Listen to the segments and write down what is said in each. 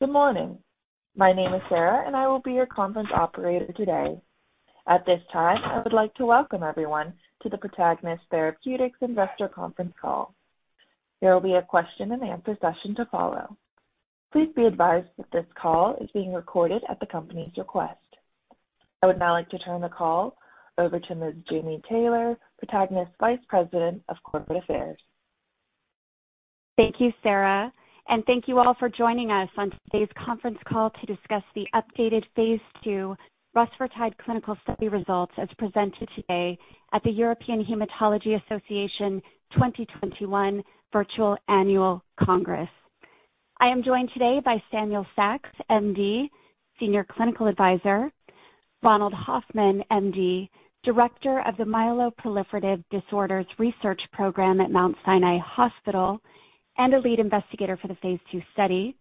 Good morning. My name is Sarah, and I will be your conference Operator today. At this time, I would like to welcome everyone to the Protagonist Therapeutics Investor Conference Call. There will be a question-and-answer session to follow. Please be advised that this call is being recorded at the company's request. I would now like to turn the call over to Ms. Jami Taylor, Protagonist Vice President of Corporate Affairs. Thank you, Sarah, and thank you all for joining us on today's conference call to discuss the phase II rusfertide clinical study results as presented today at the European Hematology Association 2021 Virtual Annual Congress. I am joined today by Samuel Saks, M.D., Senior Clinical Advisor, Ronald Hoffman, M.D., Director of the Myeloproliferative Disorders Research Program at The Mount Sinai Hospital and a lead investigator for the phase II study,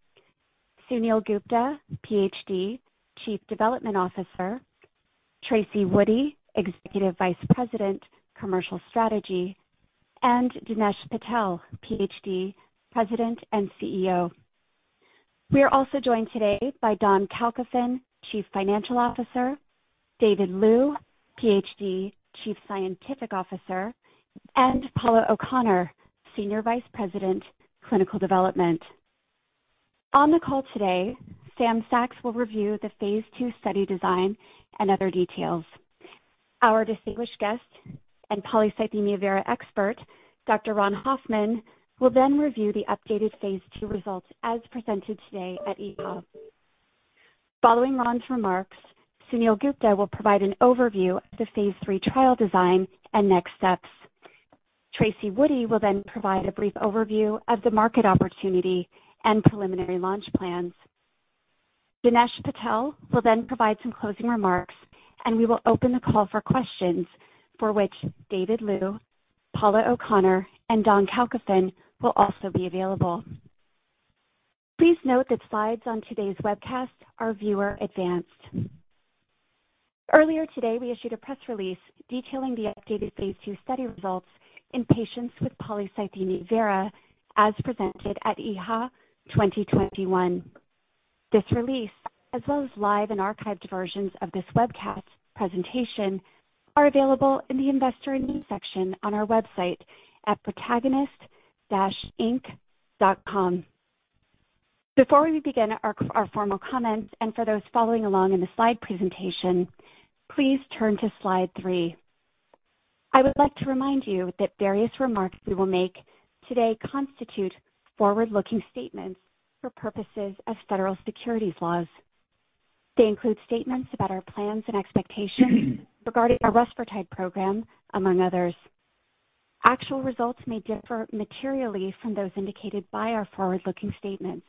Suneel Gupta, Ph.D., Chief Development Officer, Tracy Woody, Executive Vice President, Commercial Strategy, and Dinesh Patel, Ph.D., President and Chief Executive Officer. We are also joined today by Don Kalkofen, Chief Financial Officer, David Liu, Ph.D., Chief Scientific Officer, and Paula O'Connor, Senior Vice President, Clinical Development. On the call today, Sam Saks will review the phase II study design and other details. Our distinguished guest and polycythemia vera expert, Dr. Ron Hoffman, will then review the updated phase II results as presented today at EHA. Following Ronald's remarks, Suneel Gupta will provide an overview of phase III trial design and next steps. Tracy Woody will provide a brief overview of the market opportunity and preliminary launch plans. Dinesh Patel will provide some closing remarks, and we will open the call for questions for which David Liu, Paula O'Connor, and Don Kalkofen will also be available. Please note that slides on today's webcast are viewer advanced. Earlier today, we issued a press release detailing the updated phase II study results in patients with polycythemia vera as presented at EHA 2021. This release, as well as live and archived versions of this webcast presentation, are available in the Investor News section on our website at protagonist-inc.com. Before we begin our formal comments and for those following along in the slide presentation, please turn to slide three. I would like to remind you that various remarks we will make today constitute forward-looking statements for purposes of federal securities laws. They include statements about our plans and expectations regarding our rusfertide program, among others. Actual results may differ materially from those indicated by our forward-looking statements.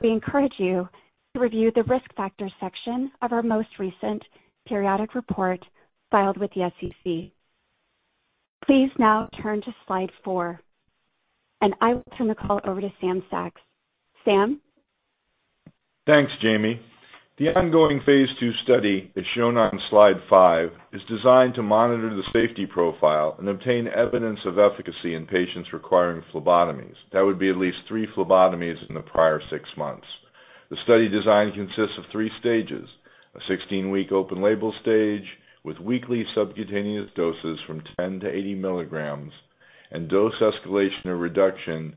We encourage you to review the Risk Factors section of our most recent periodic report filed with the SEC. Please now turn to slide four, and I will turn the call over to Sam Saks. Sam? Thanks, Jami. The ongoing phase II study, as shown on slide five, is designed to monitor the safety profile and obtain evidence of efficacy in patients requiring phlebotomies. That would be at least three phlebotomies in the prior six months. The study design consists of three stages, a 16-week open-label stage with weekly subcutaneous doses from 10 mg-80 mg, and dose escalation or reduction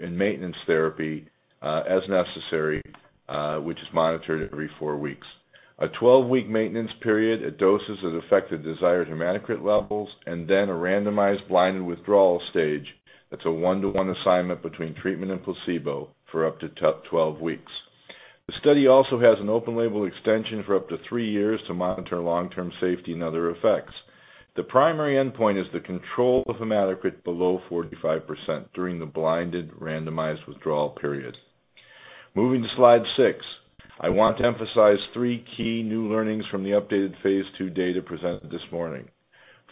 in maintenance therapy as necessary, which is monitored every four weeks. A 12-week maintenance period at doses that affect the desired hematocrit levels, and then a randomized blinded withdrawal stage that's a one-to-one assignment between treatment and placebo for up to 12 weeks. The study also has an open-label extension for up to three years to monitor long-term safety and other effects. The primary endpoint is the control of hematocrit below 45% during the blinded randomized withdrawal period. Moving to slide six, I want to emphasize three key new learnings from the updated phase II data presented this morning.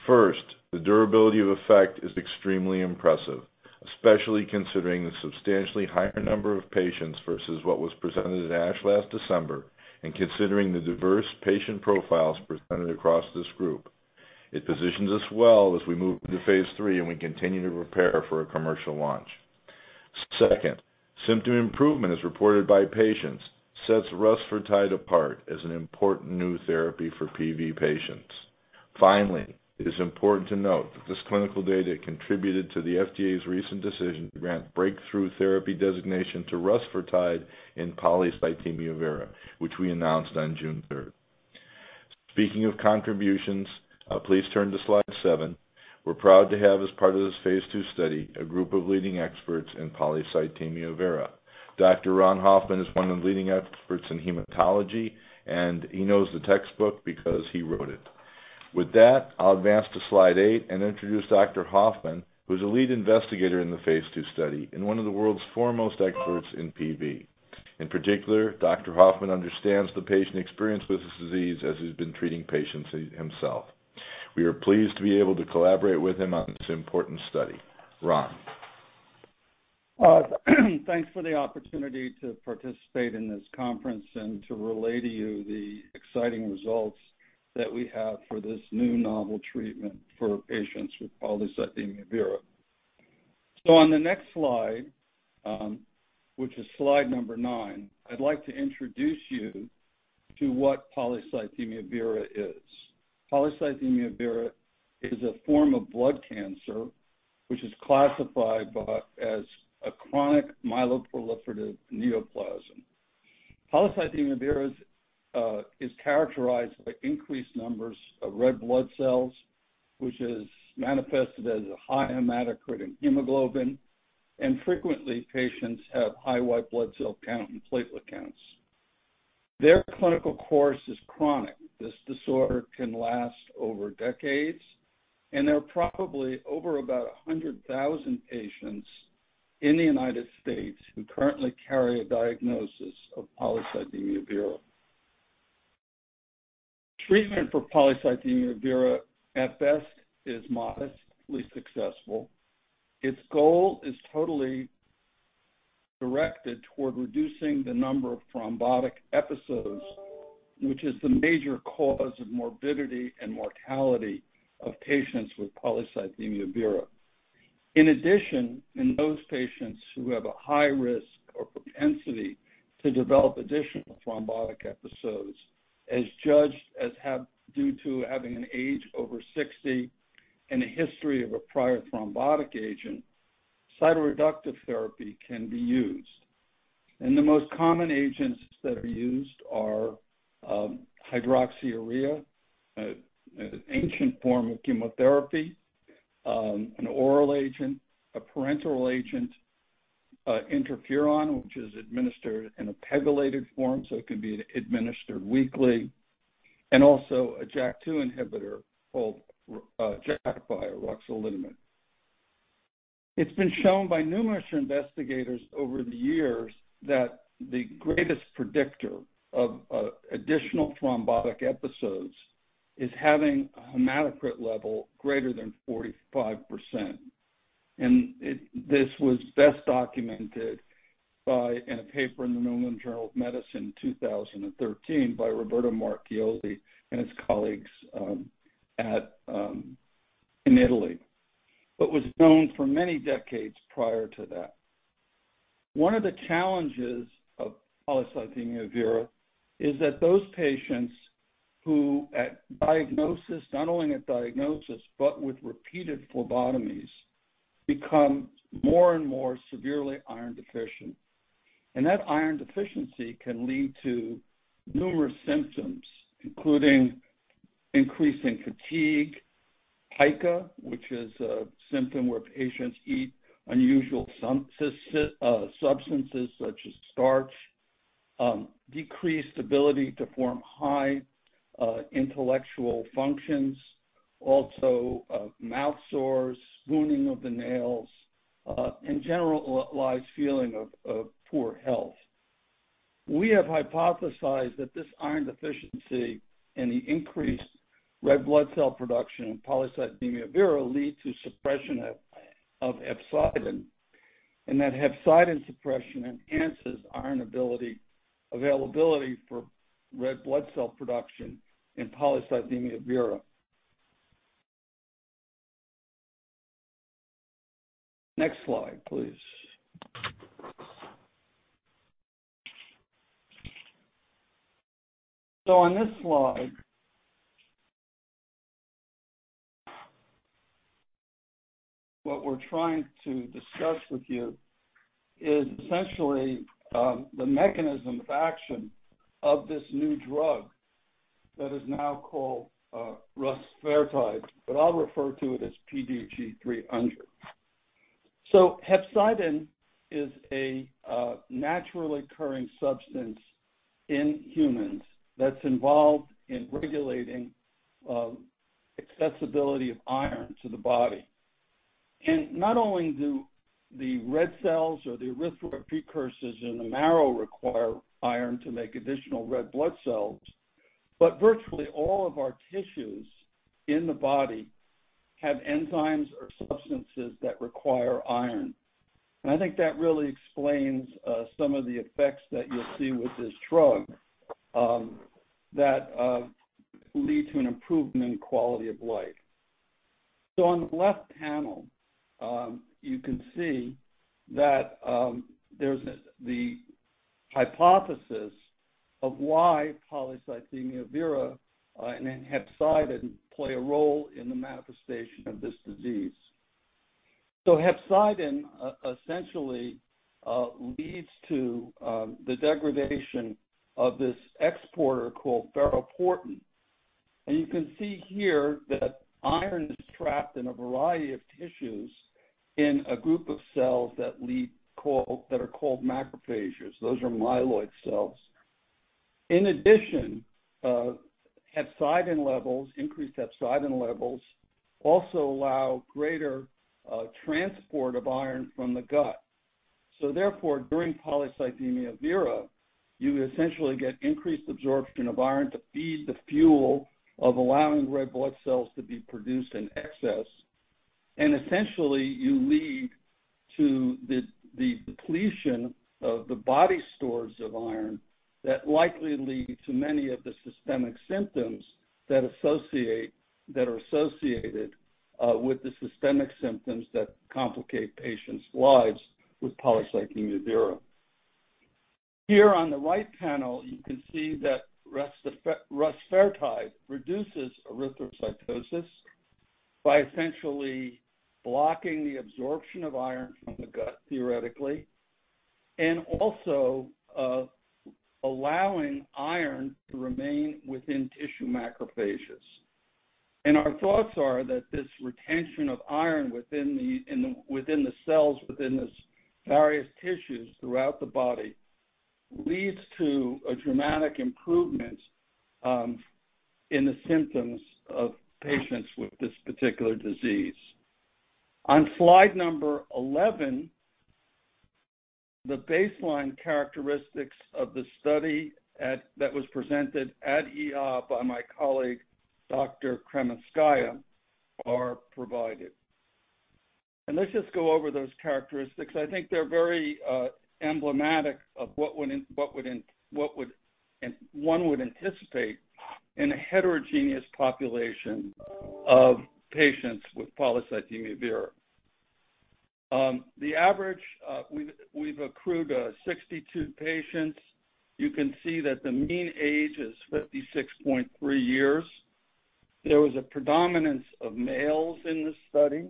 The durability of effect is extremely impressive, especially considering the substantially higher number of patients versus what was presented at ASH last December and considering the diverse patient profiles presented across this group. It positions us well as we move phase III, and we continue to prepare for a commercial launch. Symptom improvement as reported by patients sets rusfertide apart as an important new therapy for PV patients. It is important to note that this clinical data contributed to the FDA's recent decision to grant breakthrough therapy designation to rusfertide in polycythemia vera, which we announced on June 3rd. Speaking of contributions, please turn to slide seven. We're proud to have as part of this phase II study a group of leading experts in polycythemia vera. Dr. Ron Hoffman is one of the leading experts in hematology, and he knows the textbook because he wrote it. With that, I'll advance to slide eight and introduce Dr. Hoffman, who's a lead investigator in the phase II study and one of the world's foremost experts in PV. In particular, Dr. Hoffman understands the patient experience with this disease as he's been treating patients himself. We are pleased to be able to collaborate with him on this important study. Ronald. Thanks for the opportunity to participate in this conference and to relay to you the exciting results. That we have for this new novel treatment for patients with polycythemia vera. On the next slide, which is slide nine, I'd like to introduce you to what polycythemia vera is. Polycythemia vera is a form of blood cancer, which is classified as a chronic myeloproliferative neoplasm. Polycythemia vera is characterized by increased numbers of red blood cells, which is manifested as a high hematocrit and hemoglobin, and frequently patients have high white blood cell count and platelet counts. Their clinical course is chronic. This disorder can last over decades, and there are probably over about 100,000 patients in the U.S. who currently carry a diagnosis of polycythemia vera. Treatment for polycythemia vera, at best, is modestly successful. Its goal is totally directed toward reducing the number of thrombotic episodes, which is the major cause of morbidity and mortality of patients with polycythemia vera. In addition, in those patients who have a high risk or propensity to develop additional thrombotic episodes, as judged as due to having an age over 60 and a history of a prior thrombotic agent, cytoreductive therapy can be used. The most common agents that are used are hydroxyurea, an ancient form of chemotherapy, an oral agent, a parenteral agent, interferon, which is administered in a pegylated form, so it can be administered weekly, and also a JAK2 inhibitor called Jakafi or ruxolitinib. It's been shown by numerous investigators over the years that the greatest predictor of additional thrombotic episodes is having a hematocrit level greater than 45%. This was best documented in a paper in The New England Journal of Medicine in 2013 by Roberto Marchioli and his colleagues in Italy. Was known for many decades prior to that. One of the challenges of polycythemia vera is that those patients who, at diagnosis, not only at diagnosis but with repeated phlebotomies, become more and more severely iron deficient. That iron deficiency can lead to numerous symptoms, including increasing fatigue, pica, which is a symptom where patients eat unusual substances such as starch, decreased ability to form high intellectual functions, also mouth sores, spooning of the nails, in general, a feeling of poor health. We have hypothesized that this iron deficiency and the increased red blood cell production in polycythemia vera leads to suppression of hepcidin, and that hepcidin suppression enhances iron availability for red blood cell production in polycythemia vera. Next slide, please. On this slide, what we're trying to discuss with you is essentially the mechanism of action of this new drug that is now called rusfertide, but I'll refer to it as PTG-300. Hepcidin is a naturally occurring substance in humans that's involved in regulating accessibility of iron to the body. Not only do the red cells or the erythroid precursors in the marrow require iron to make additional red blood cells, but virtually all of our tissues in the body have enzymes or substances that require iron. I think that really explains some of the effects that you'll see with this drug that lead to an improvement in quality of life. On the left panel, you can see that there's the hypothesis of why polycythemia vera and hepcidin play a role in the manifestation of this disease. Hepcidin essentially leads to the degradation of this exporter called ferroportin. You can see here that iron is trapped in a variety of tissues in a group of cells that are called macrophages. Those are myeloid cells. Increased hepcidin levels also allow greater transport of iron from the gut. Therefore, during polycythemia vera, you essentially get increased absorption of iron to feed the fuel of allowing red blood cells to be produced in excess. Essentially, you lead to the depletion of the body stores of iron that likely lead to many of the systemic symptoms that are associated with the systemic symptoms that complicate patients' lives with polycythemia vera. Here on the right panel, you can see that rusfertide reduces erythrocytosis by essentially blocking the absorption of iron from the gut, theoretically, and also allowing iron to remain within tissue macrophages. Our thoughts are that this retention of iron within the cells, within the various tissues throughout the body, leads to a dramatic improvement in the symptoms of patients with this particular disease. On slide number 11, the baseline characteristics of the study that was presented at EHA by my colleague, Dr. Kremyanskaya, are provided. Let's just go over those characteristics. I think they're very emblematic of what one would anticipate in a heterogeneous population of patients with polycythemia vera. We've accrued 62 patients. You can see that the mean age is 56.3 years. There was a predominance of males in this study.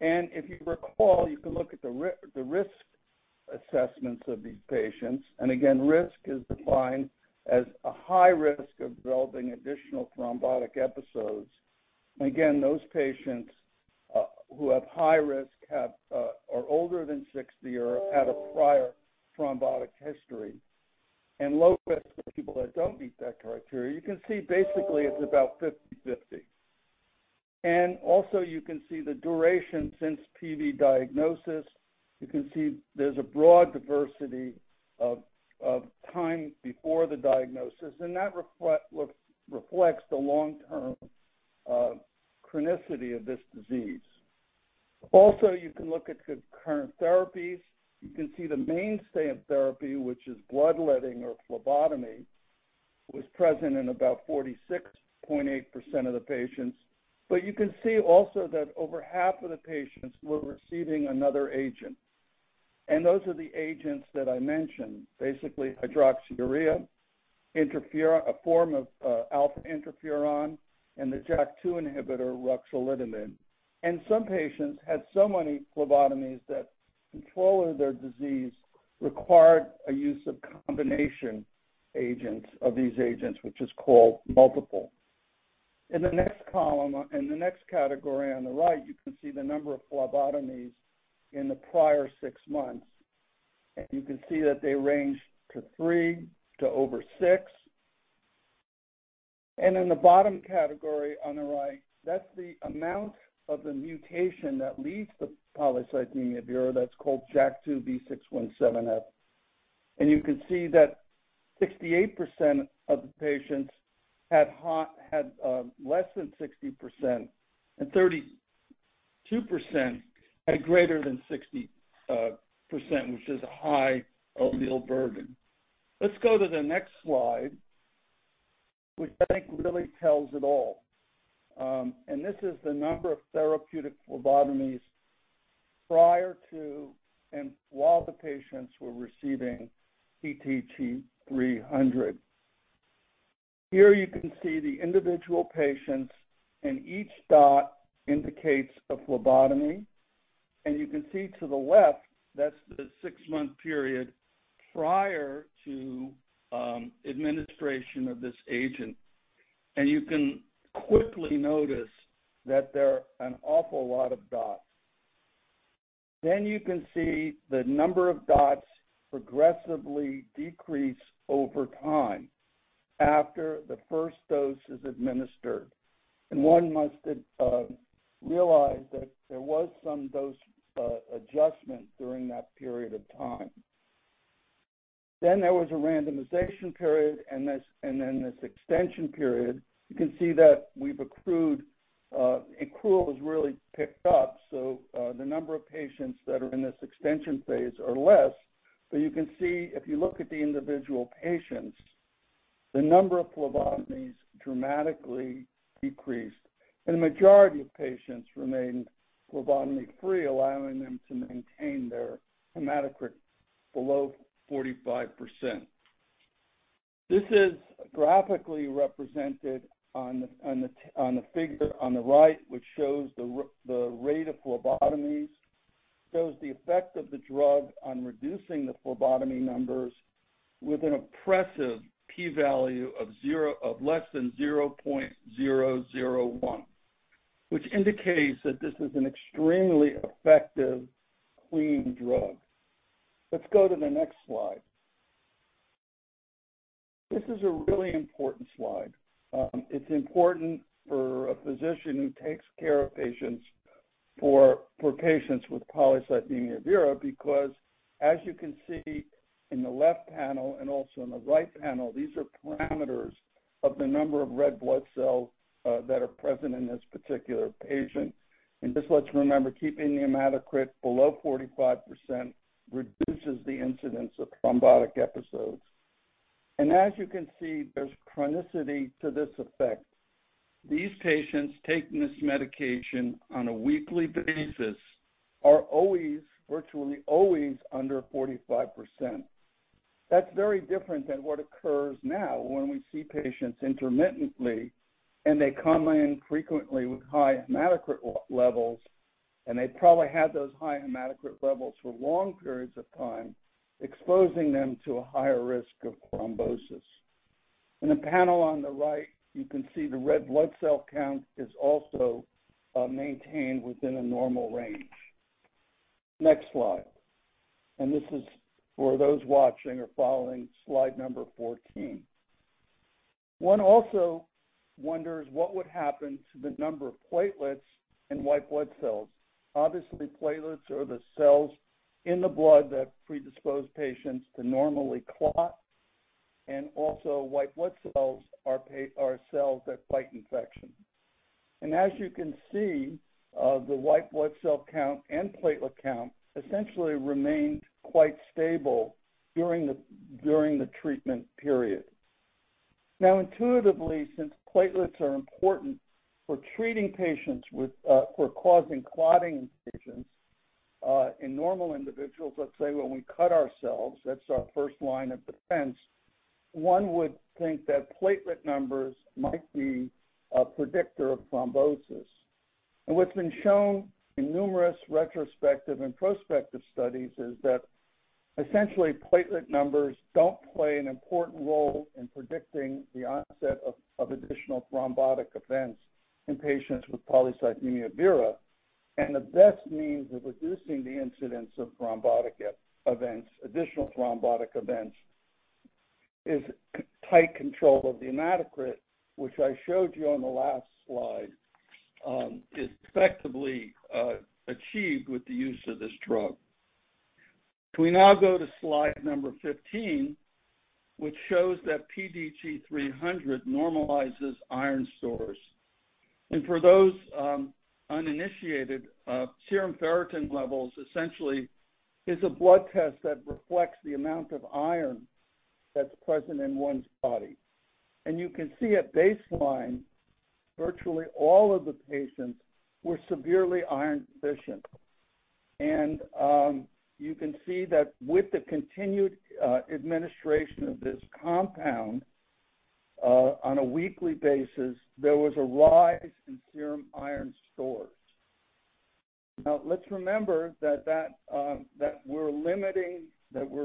If you recall, you can look at the risk assessments of these patients. Again, risk is defined as a high risk of developing additional thrombotic episodes. Again, those patients who have high risk are older than 60 or had a prior thrombotic history. Low risk are people that don't meet that criteria. You can see basically it's about 50/50. Also you can see the duration since PV diagnosis. You can see there's a broad diversity of time before the diagnosis. That reflects the long-term chronicity of this disease. You can look at concurrent therapies. You can see the mainstay of therapy, which is bloodletting or phlebotomy, was present in about 46.8% of the patients. You can see also that over half of the patients were receiving another agent. Those are the agents that I mentioned, basically hydroxyurea, a form of alpha interferon, and the JAK2 inhibitor, ruxolitinib. Some patients had so many phlebotomies that controlling their disease required a use of combination agents of these agents, which is called multiple. In the next column, in the next category on the right, you can see the number of phlebotomies in the prior six months. You can see that they range to three to over six. In the bottom category on the right, that's the amount of the mutation that leads to polycythemia vera, that's called JAK2 V617F. You can see that 68% of the patients had less than 60%, and 32% had greater than 60%, which is a high allele burden. Let's go to the next slide, which I think really tells it all. This is the number of therapeutic phlebotomies prior to and while the patients were receiving PTG-300. Here you can see the individual patients, and each dot indicates a phlebotomy. You can see to the left, that's the six-month period prior to administration of this agent. You can quickly notice that there are an awful lot of dots. You can see the number of dots progressively decrease over time after the first dose is administered. One must realize that there was some dose adjustment during that period of time. There was a randomization period and then this extension period. You can see that we've accrued, accrual has really picked up. The number of patients that are in this extension phase are less, but you can see, if you look at the individual patients, the number of phlebotomies dramatically decreased. The majority of patients remained phlebotomy-free, allowing them to maintain their hematocrit below 45%. This is graphically represented on the figure on the right, which shows the rate of phlebotomies, shows the effect of the drug on reducing the phlebotomy numbers with an impressive p-value of less than 0.001, which indicates that this is an extremely effective, clean drug. Let's go to the next slide. This is a really important slide. It's important for a physician who takes care of patients with polycythemia vera because, as you can see in the left panel and also in the right panel, these are parameters of the number of red blood cells that are present in this particular patient. Just let's remember, keeping hematocrit below 45% reduces the incidence of thrombotic episodes. As you can see, there's chronicity to this effect. These patients taking this medication on a weekly basis are virtually always under 45%. That's very different than what occurs now when we see patients intermittently, and they come in frequently with high hematocrit levels, and they probably had those high hematocrit levels for long periods of time, exposing them to a higher risk of thrombosis. In the panel on the right, you can see the red blood cell count is also maintained within a normal range. Next slide. This is for those watching or following, slide number 14. One also wonders what would happen to the number of platelets and white blood cells. Obviously, platelets are the cells in the blood that predispose patients to normally clot, and also white blood cells are cells that fight infection. As you can see, the white blood cell count and platelet count essentially remained quite stable during the treatment period. Now intuitively, since platelets are important for causing clotting in patients, in normal individuals, let's say when we cut ourselves, that's our first line of defense. One would think that platelet numbers might be a predictor of thrombosis. What's been shown in numerous retrospective and prospective studies is that essentially platelet numbers don't play an important role in predicting the onset of additional thrombotic events in patients with polycythemia vera. The best means of reducing the incidence of additional thrombotic events is tight control of the hematocrit, which I showed you on the last slide, effectively achieved with the use of this drug. We now go to slide number 15, which shows that PTG-300 normalizes iron stores. For those uninitiated, serum ferritin levels essentially is a blood test that reflects the amount of iron that's present in one's body. You can see at baseline, virtually all of the patients were severely iron deficient. You can see that with the continued administration of this compound, on a weekly basis, there was a rise in serum iron stores. Let's remember that we're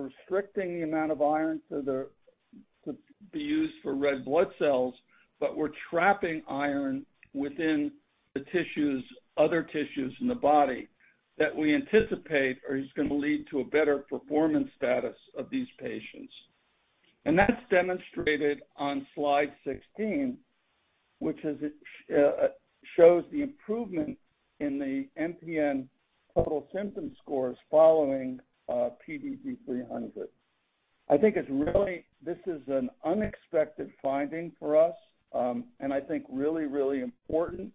restricting the amount of iron to be used for red blood cells, but we're trapping iron within other tissues in the body that we anticipate is going to lead to a better performance status of these patients. That's demonstrated on slide 16, which shows the improvement in the MPN total symptom scores following PTG-300. I think this is an unexpected finding for us, and I think really, really important.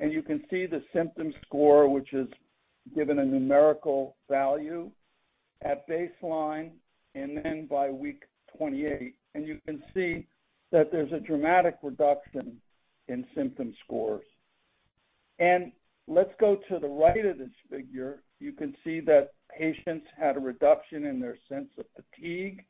You can see the symptom score, which is given a numerical value at baseline and then by week 28. You can see that there's a dramatic reduction in symptom scores. Let's go to the right of this figure. You can see that patients had a reduction in their sense of fatigue.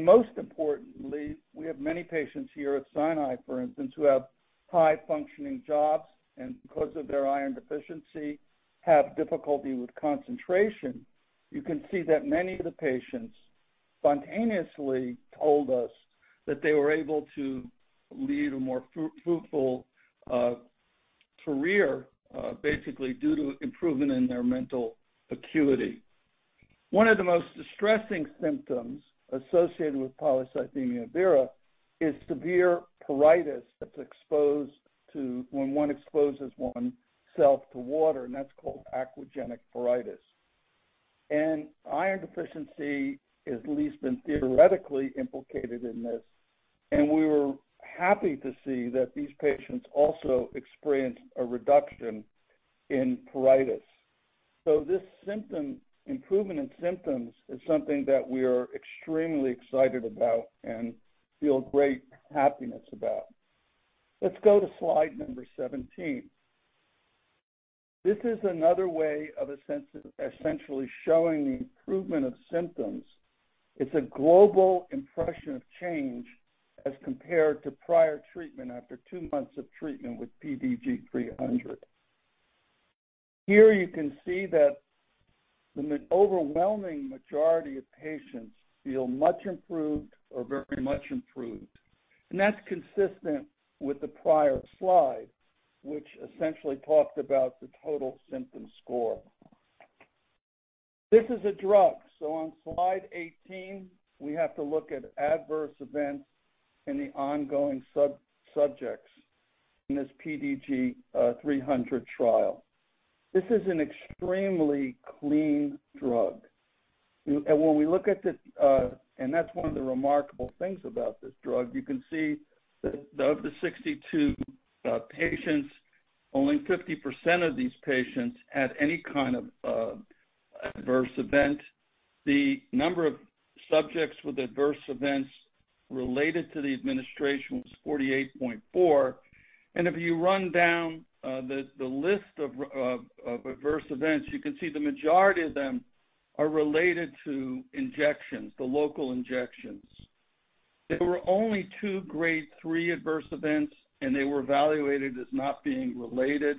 Most importantly, we have many patients here at Mount Sinai, for instance, who have high-functioning jobs, and because of their iron deficiency, have difficulty with concentration. You can see that many of the patients spontaneously told us that they were able to lead a more fruitful career, basically due to improvement in their mental acuity. One of the most distressing symptoms associated with polycythemia vera is severe pruritus when one exposes oneself to water, and that's called aquagenic pruritus. Iron deficiency has at least been theoretically implicated in this, and we were happy to see that these patients also experienced a reduction in pruritus. This improvement in symptoms is something that we are extremely excited about and feel great happiness about. Let's go to slide number 17. This is another way of essentially showing the improvement of symptoms. It's a global impression of change as compared to prior treatment after two months of treatment with PTG-300. Here you can see that when the overwhelming majority of patients feel much improved or very much improved, that's consistent with the prior slide, which essentially talked about the total symptom score. This is a drug. On slide 18, we have to look at adverse events in the ongoing subjects in this PTG-300 trial. This is an extremely clean drug. When we look at this, and that's one of the remarkable things about this drug, you can see that of the 62 patients, only 50% of these patients had any kind of adverse event. The number of subjects with adverse events related to the administration was 48.4. If you run down the list of adverse events, you can see the majority of them are related to injections, the local injections. There were only two grade three adverse events, and they were evaluated as not being related.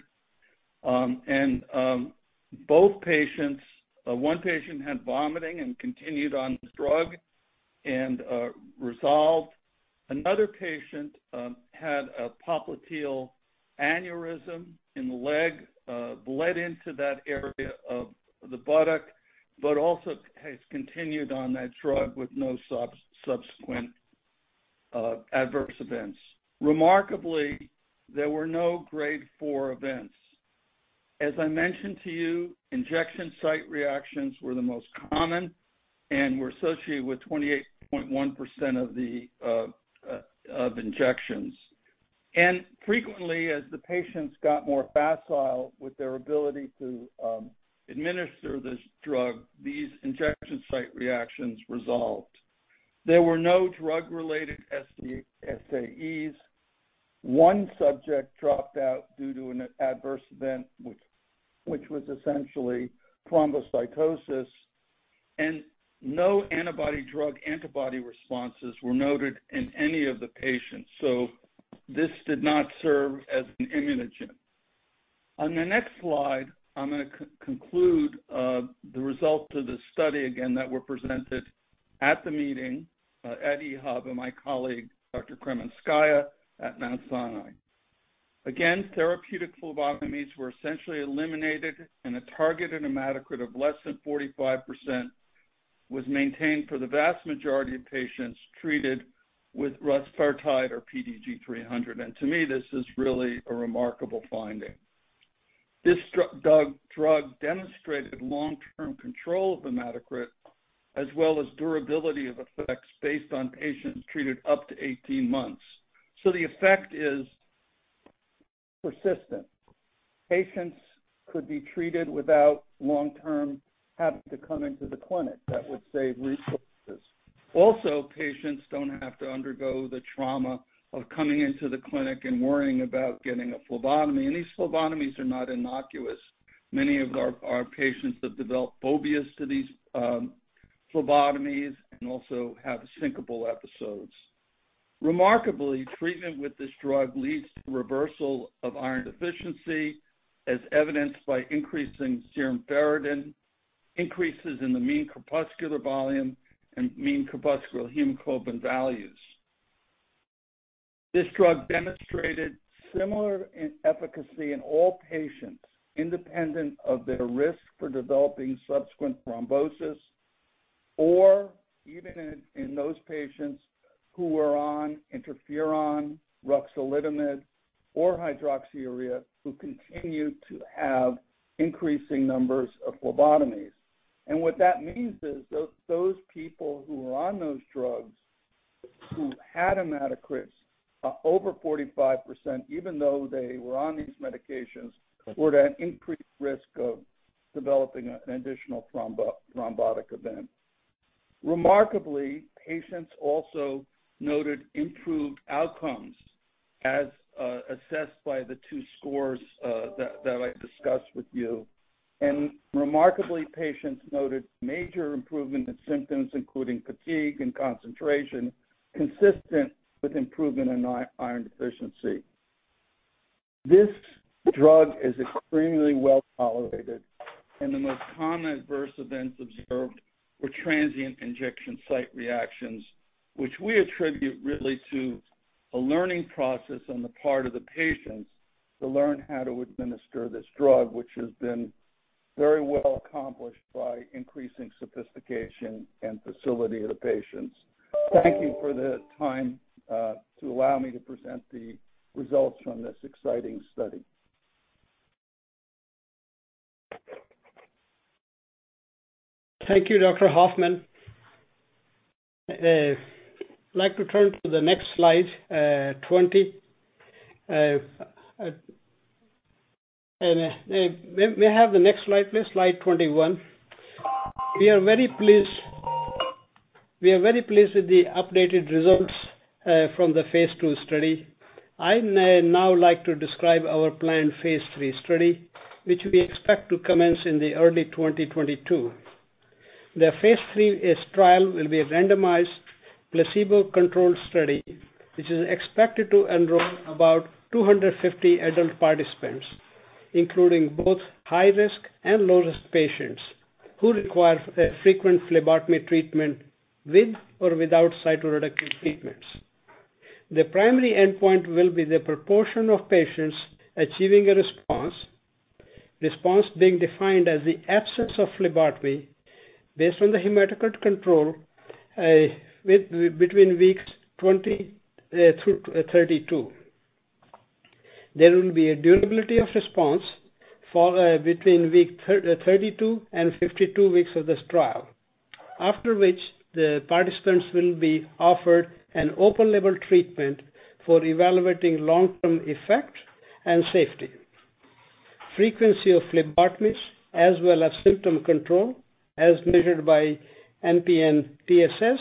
Both patients, one patient had vomiting and continued on the drug and resolved. Another patient had a popliteal aneurysm in the leg, bled into that area of the buttock, but also has continued on that drug with no subsequent adverse events. Remarkably, there were no grade four events. As I mentioned to you, injection site reactions were the most common and were associated with 28.1% of injections. Frequently, as the patients got more facile with their ability to administer this drug, these injection site reactions resolved. There were no drug-related SAEs. One subject dropped out due to an adverse event, which was essentially thrombocytosis, and no antibody, drug antibody responses were noted in any of the patients. This did not serve as an immunogen. On the next slide, I'm going to conclude the results of the study again that were presented at the meeting at EHA by my colleague, Dr. Kremyanskaya at Mount Sinai. Again, therapeutic phlebotomies were essentially eliminated, and a target hematocrit of less than 45% was maintained for the vast majority of patients treated with rusfertide or PTG-300. To me, this is really a remarkable finding. This drug demonstrated long-term control of hematocrit as well as durability of effects based on patients treated up to 18 months. The effect is persistent. Patients could be treated without long-term having to come into the clinic. That would save resources. Also, patients don't have to undergo the trauma of coming into the clinic and worrying about getting a phlebotomy. These phlebotomies are not innocuous. Many of our patients have developed phobias to these phlebotomies and also have syncopal episodes. Remarkably, treatment with this drug leads to reversal of iron deficiency, as evidenced by increasing serum ferritin, increases in the mean corpuscular volume, and mean corpuscular hemoglobin values. This drug demonstrated similar efficacy in all patients, independent of their risk for developing subsequent thrombosis or even in those patients who are on interferon, ruxolitinib, or hydroxyurea who continue to have increasing numbers of phlebotomies. What that means is those people who are on those drugs who had hematocrits over 45%, even though they were on these medications, were at increased risk of developing an additional thrombotic event. Remarkably, patients also noted improved outcomes as assessed by the two scores that I discussed with you. Remarkably, patients noted major improvement in symptoms including fatigue and concentration, consistent with improvement in iron deficiency. This drug is extremely well-tolerated, and the most common adverse events observed were transient injection site reactions, which we attribute really to a learning process on the part of the patients to learn how to administer this drug, which has been very well accomplished by increasing sophistication and facility of the patients. Thank you for the time to allow me to present the results from this exciting study. Thank you, Dr. Hoffman. I'd like to turn to the next slide, 20. May I have the next slide, please? Slide 21. We are very pleased with the updated results from the phase II study. I'd now like to describe our phase III study, which we expect to commence in early 2022. The phase III trial will be a randomized, placebo-controlled study, which is expected to enroll about 250 adult participants, including both high-risk and low-risk patients who require frequent phlebotomy treatment with or without cytoreductive treatments. The primary endpoint will be the proportion of patients achieving a response being defined as the absence of phlebotomy based on the hematocrit control between weeks 20 through 32. There will be a durability of response between week 32 and 52 weeks of this trial, after which the participants will be offered an open-label treatment for evaluating long-term effect and safety. Frequency of phlebotomies as well as symptom control as measured by MPN-SAF TSS,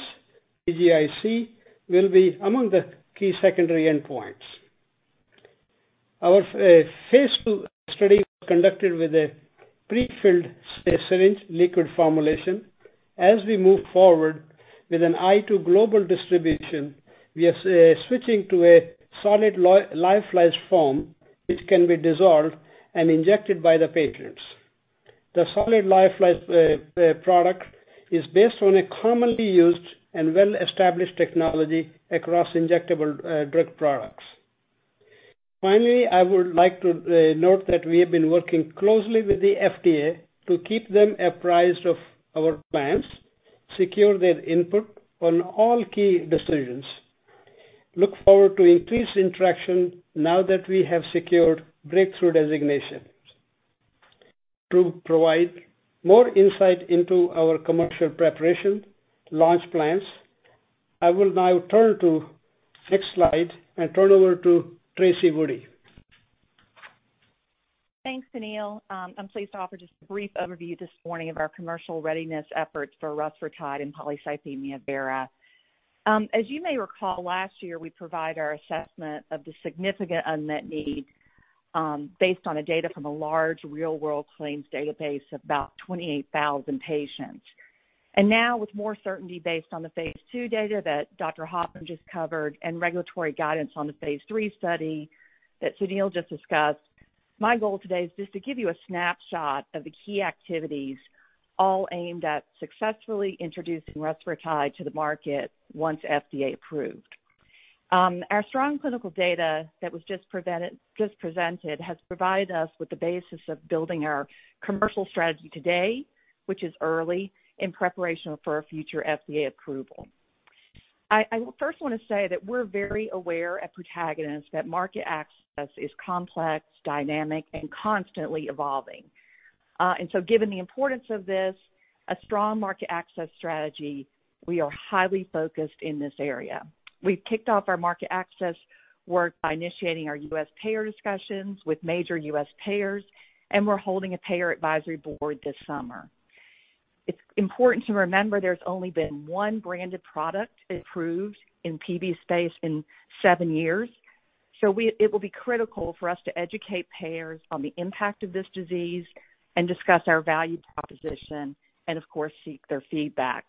PGIC will be among the key secondary endpoints. Our phase II study was conducted with a pre-filled syringe liquid formulation. As we move forward with an eye to global distribution, we are switching to a solid lyophilized form, which can be dissolved and injected by the patients. The solid lyophilized product is based on a commonly used and well-established technology across injectable drug products. Finally, I would like to note that we have been working closely with the FDA to keep them apprised of our plans, secure their input on all key decisions. Look forward to increased interaction now that we have secured breakthrough designation. To provide more insight into our commercial preparation launch plans, I will now turn to next slide and turn over to Tracy Woody. Thanks, Suneel. I'm pleased to offer just a brief overview this morning of our commercial readiness efforts for rusfertide and polycythemia vera. As you may recall, last year we provide our assessment of the significant unmet need based on data from a large real-world claims database of about 28,000 patients. Now with more certainty based on the phase II data that Dr. Hoffman just covered and regulatory guidance on phase III study that Suneel just discussed, my goal today is just to give you a snapshot of the key activities all aimed at successfully introducing rusfertide to the market once FDA approved. Our strong clinical data that was just presented has provided us with the basis of building our commercial strategy today, which is early in preparation for a future FDA approval. I first want to say that we're very aware at Protagonist that market access is complex, dynamic, and constantly evolving. Given the importance of this, a strong market access strategy, we are highly focused in this area. We've kicked off our market access work by initiating our U.S. payer discussions with major U.S. payers, and we're holding a payer advisory board this summer. It's important to remember there's only been 1 branded product approved in PV space in seven years, so it will be critical for us to educate payers on the impact of this disease and discuss our value proposition and of course, seek their feedback.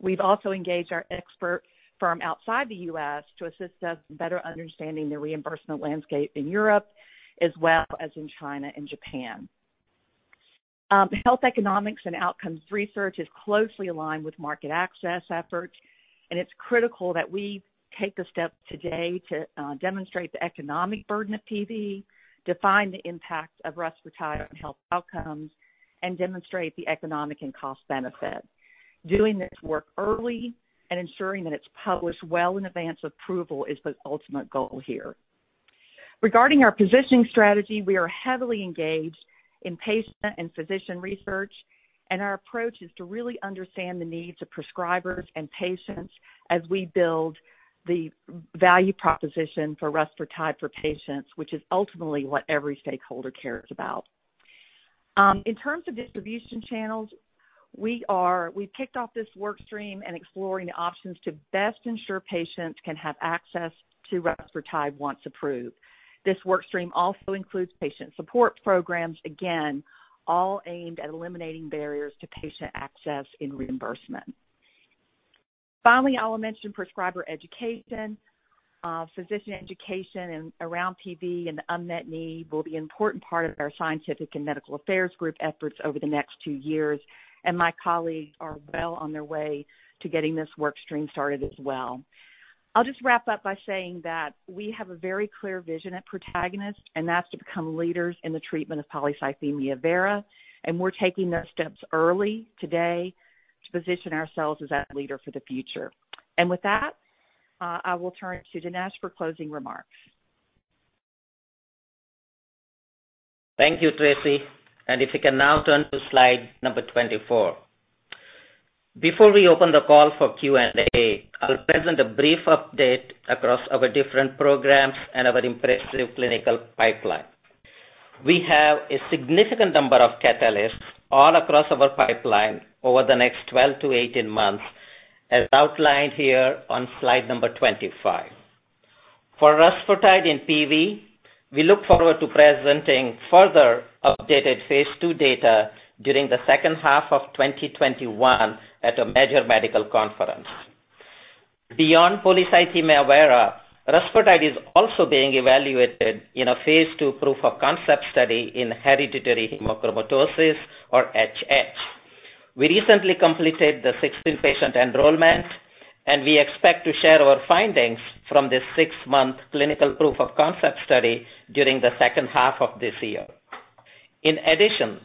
We've also engaged our experts from outside the U.S. to assist us in better understanding the reimbursement landscape in Europe as well as in China and Japan. Health economics and outcomes research is closely aligned with market access efforts. It's critical that we take a step today to demonstrate the economic burden of PV, define the impact of rusfertide on health outcomes, and demonstrate the economic and cost benefit. Doing this work early and ensuring that it's published well in advance of approval is the ultimate goal here. Regarding our positioning strategy, we are heavily engaged in patient and physician research. Our approach is to really understand the needs of prescribers and patients as we build the value proposition for rusfertide for patients, which is ultimately what every stakeholder cares about. In terms of distribution channels, we kicked off this work stream and exploring the options to best ensure patients can have access to rusfertide once approved. This work stream also includes patient support programs, again, all aimed at eliminating barriers to patient access and reimbursement. Finally, I want to mention prescriber education. Physician education around PV and unmet need will be an important part of our scientific and medical affairs group efforts over the next two years. My colleagues are well on their way to getting this work stream started as well. I'll just wrap up by saying that we have a very clear vision at Protagonist, and that's to become leaders in the treatment of polycythemia vera, and we're taking those steps early today to position ourselves as that leader for the future. With that, I will turn it to Dinesh for closing remarks. Thank you, Tracy. If you can now turn to slide number 24. Before we open the call for Q&A, I'll present a brief update across our different programs and our impressive clinical pipeline. We have a significant number of catalysts all across our pipeline over the next 12-18 months, as outlined here on slide number 25. For rusfertide and PV, we look forward to presenting further updated phase II data during the second half of 2021 at a major medical conference. Beyond polycythemia vera, rusfertide is also being evaluated in a phase II proof of concept study in hereditary hemochromatosis or HH. We recently completed the 16-patient enrollment, and we expect to share our findings from this six-month clinical proof of concept study during the second half of this year. In addition,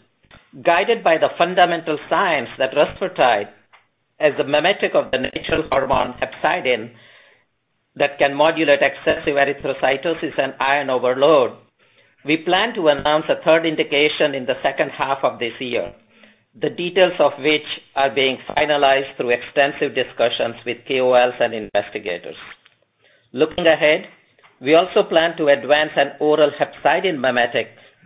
guided by the fundamental science that rusfertide, as a mimetic of the natural hormone hepcidin that can modulate excessive erythrocytosis and iron overload, we plan to announce a third indication in the second half of this year. The details of which are being finalized through extensive discussions with KOLs and investigators. Looking ahead, we also plan to advance an oral hepcidin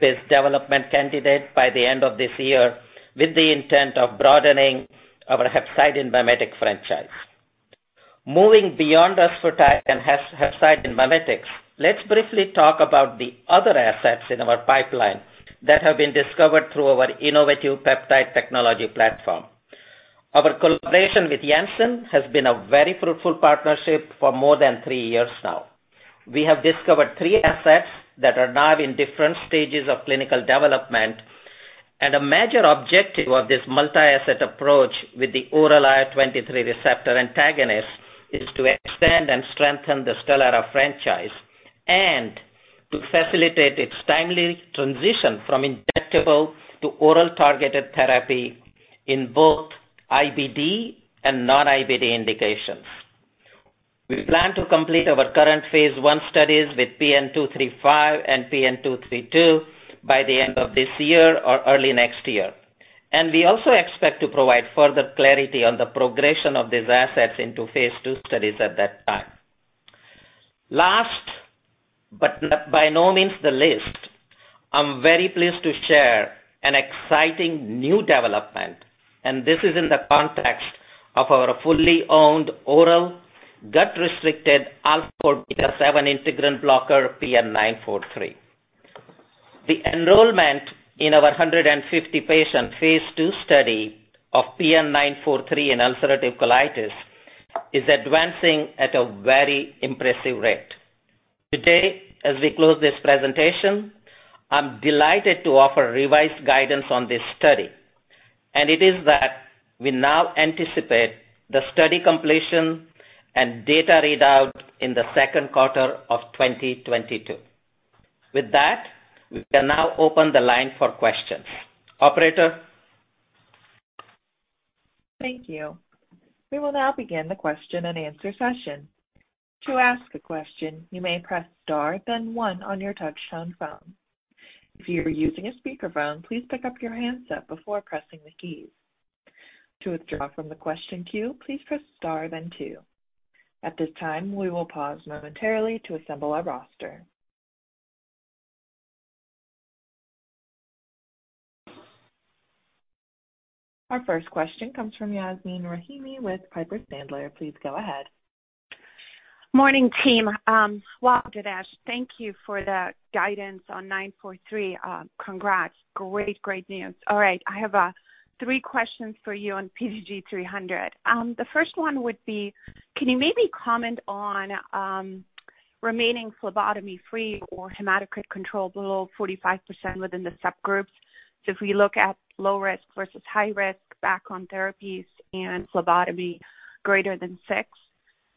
mimetic-based development candidate by the end of this year with the intent of broadening our hepcidin mimetic franchise. Moving beyond rusfertide and hepcidin mimetics, let's briefly talk about the other assets in our pipeline that have been discovered through our innovative peptide technology platform. Our collaboration with Janssen has been a very fruitful partnership for more than three years now. We have discovered three assets that are now in different stages of clinical development. A major objective of this multi-asset approach with the oral IL-23 receptor antagonist is to extend and strengthen the STELARA franchise, and to facilitate its timely transition from injectable to oral targeted therapy in both IBD and non-IBD indications. We plan to complete our current phase I studies with PN-235 and PN-232 by the end of this year or early next year. We also expect to provide further clarity on the progression of these assets into phase II studies at that time. Last, but by no means the least, I'm very pleased to share an exciting new development. This is in the context of our fully owned oral gut-restricted alpha-4 beta-7 integrin blocker, PN-943. The enrollment in our 150-patient phase II study of PN-943 in ulcerative colitis is advancing at a very impressive rate. Today, as we close this presentation, I'm delighted to offer revised guidance on this study, and it is that we now anticipate the study completion and data readout in the second quarter of 2022. With that, we can now open the line for questions. Operator? Our first question comes from Yasmeen Rahimi with Piper Sandler. Please go ahead. Morning, team. Wow, Dinesh, thank you for the guidance on 943. Congrats. Great news. All right, I have three questions for you on PTG-300. The first one would be, can you maybe comment on remaining phlebotomy-free or hematocrit control below 45% within the subgroups if we look at low risk versus high risk back on therapies and phlebotomy greater than six?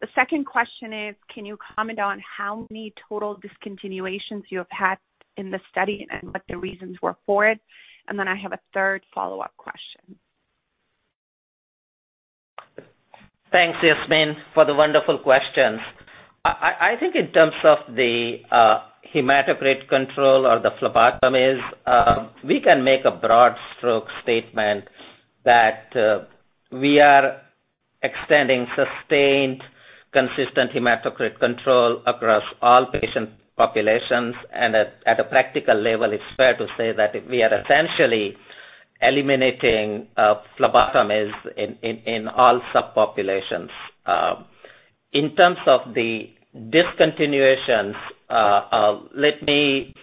The second question is, can you comment on how many total discontinuations you have had in the study and what the reasons were for it? I have a third follow-up question. Thanks, Yasmeen, for the wonderful questions. I think in terms of the hematocrit control or the phlebotomies, we can make a broad stroke statement that we are extending sustained consistent hematocrit control across all patient populations. At a practical level, it's fair to say that we are essentially eliminating phlebotomies in all subpopulations. In terms of the discontinuations, let me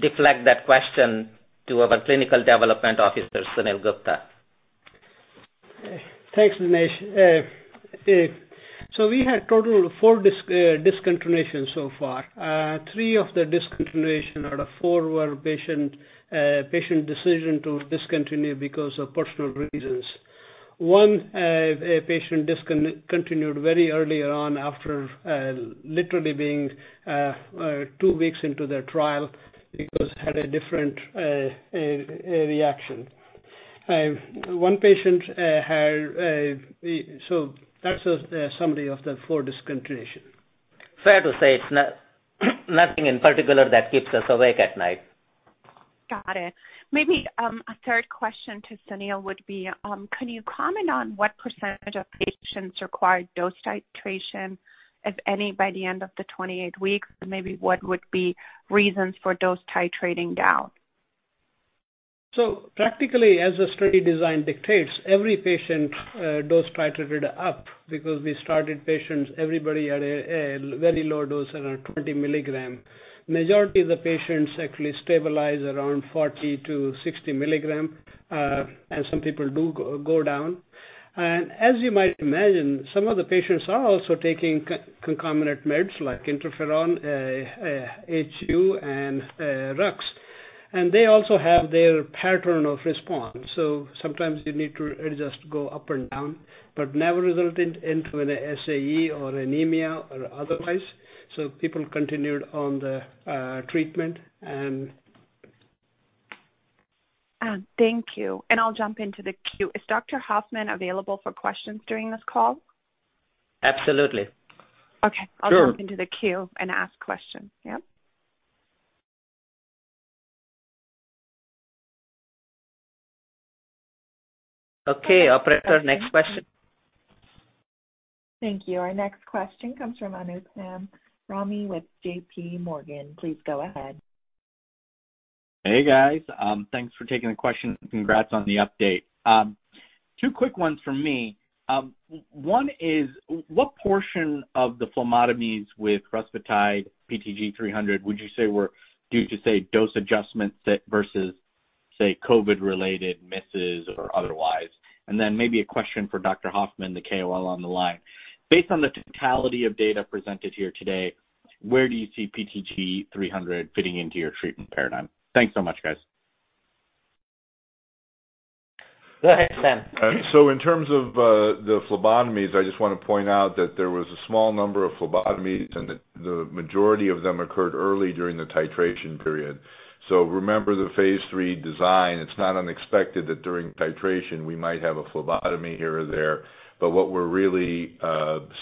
deflect that question to our Clinical Development Officer, Suneel Gupta. Thanks, Dinesh. We had a total of four discontinuations so far. Three of the discontinuation out of four were patient decision to discontinue because of personal reasons. One patient discontinued very early on after literally being two weeks into the trial because had a different reaction. That's a summary of the four discontinuations. Fair to say it's nothing in particular that keeps us awake at night. Got it. Maybe a third question to Suneel would be, can you comment on what percent of patients require dose titration, if any, by the end of the 28 weeks? Maybe what would be reasons for dose titrating down? Practically, as the study design dictates, every patient dose titrated up because we started patients, everybody at a very low dose around 20 mg. Majority of the patients actually stabilize around 40 mg-60 mg, and some people do go down. As you might imagine, some of the patients are also taking concomitant meds like interferon HU and Rux. They also have their pattern of response. Sometimes you need to adjust, go up and down, but never resulted into an SAE or anemia or otherwise. People continued on the treatment and Thank you. I'll jump into the queue. Is Dr. Hoffman available for questions during this call? Absolutely. Okay. Sure. I'll jump into the queue and ask questions. Yep. Okay, Operator, next question. Thank you. Our next question comes from Anupam Rama with JPMorgan. Please go ahead. Hey, guys. Thanks for taking the questions, and congrats on the update. Two quick ones from me. One is, what portion of the phlebotomies with rusfertide PTG-300 would you say were due to, say, dose adjustments versus, say, COVID-related misses or otherwise? Then maybe a question for Dr. Hoffman, the KOL on the line. Based on the totality of data presented here today, where do you see PTG-300 fitting into your treatment paradigm? Thanks so much, guys. Saks. In terms of the phlebotomies, I just want to point out that there was a small number of phlebotomies, and the majority of them occurred early during the titration period. Remember phase III design, it's not unexpected that during titration, we might have a phlebotomy here or there. What we're really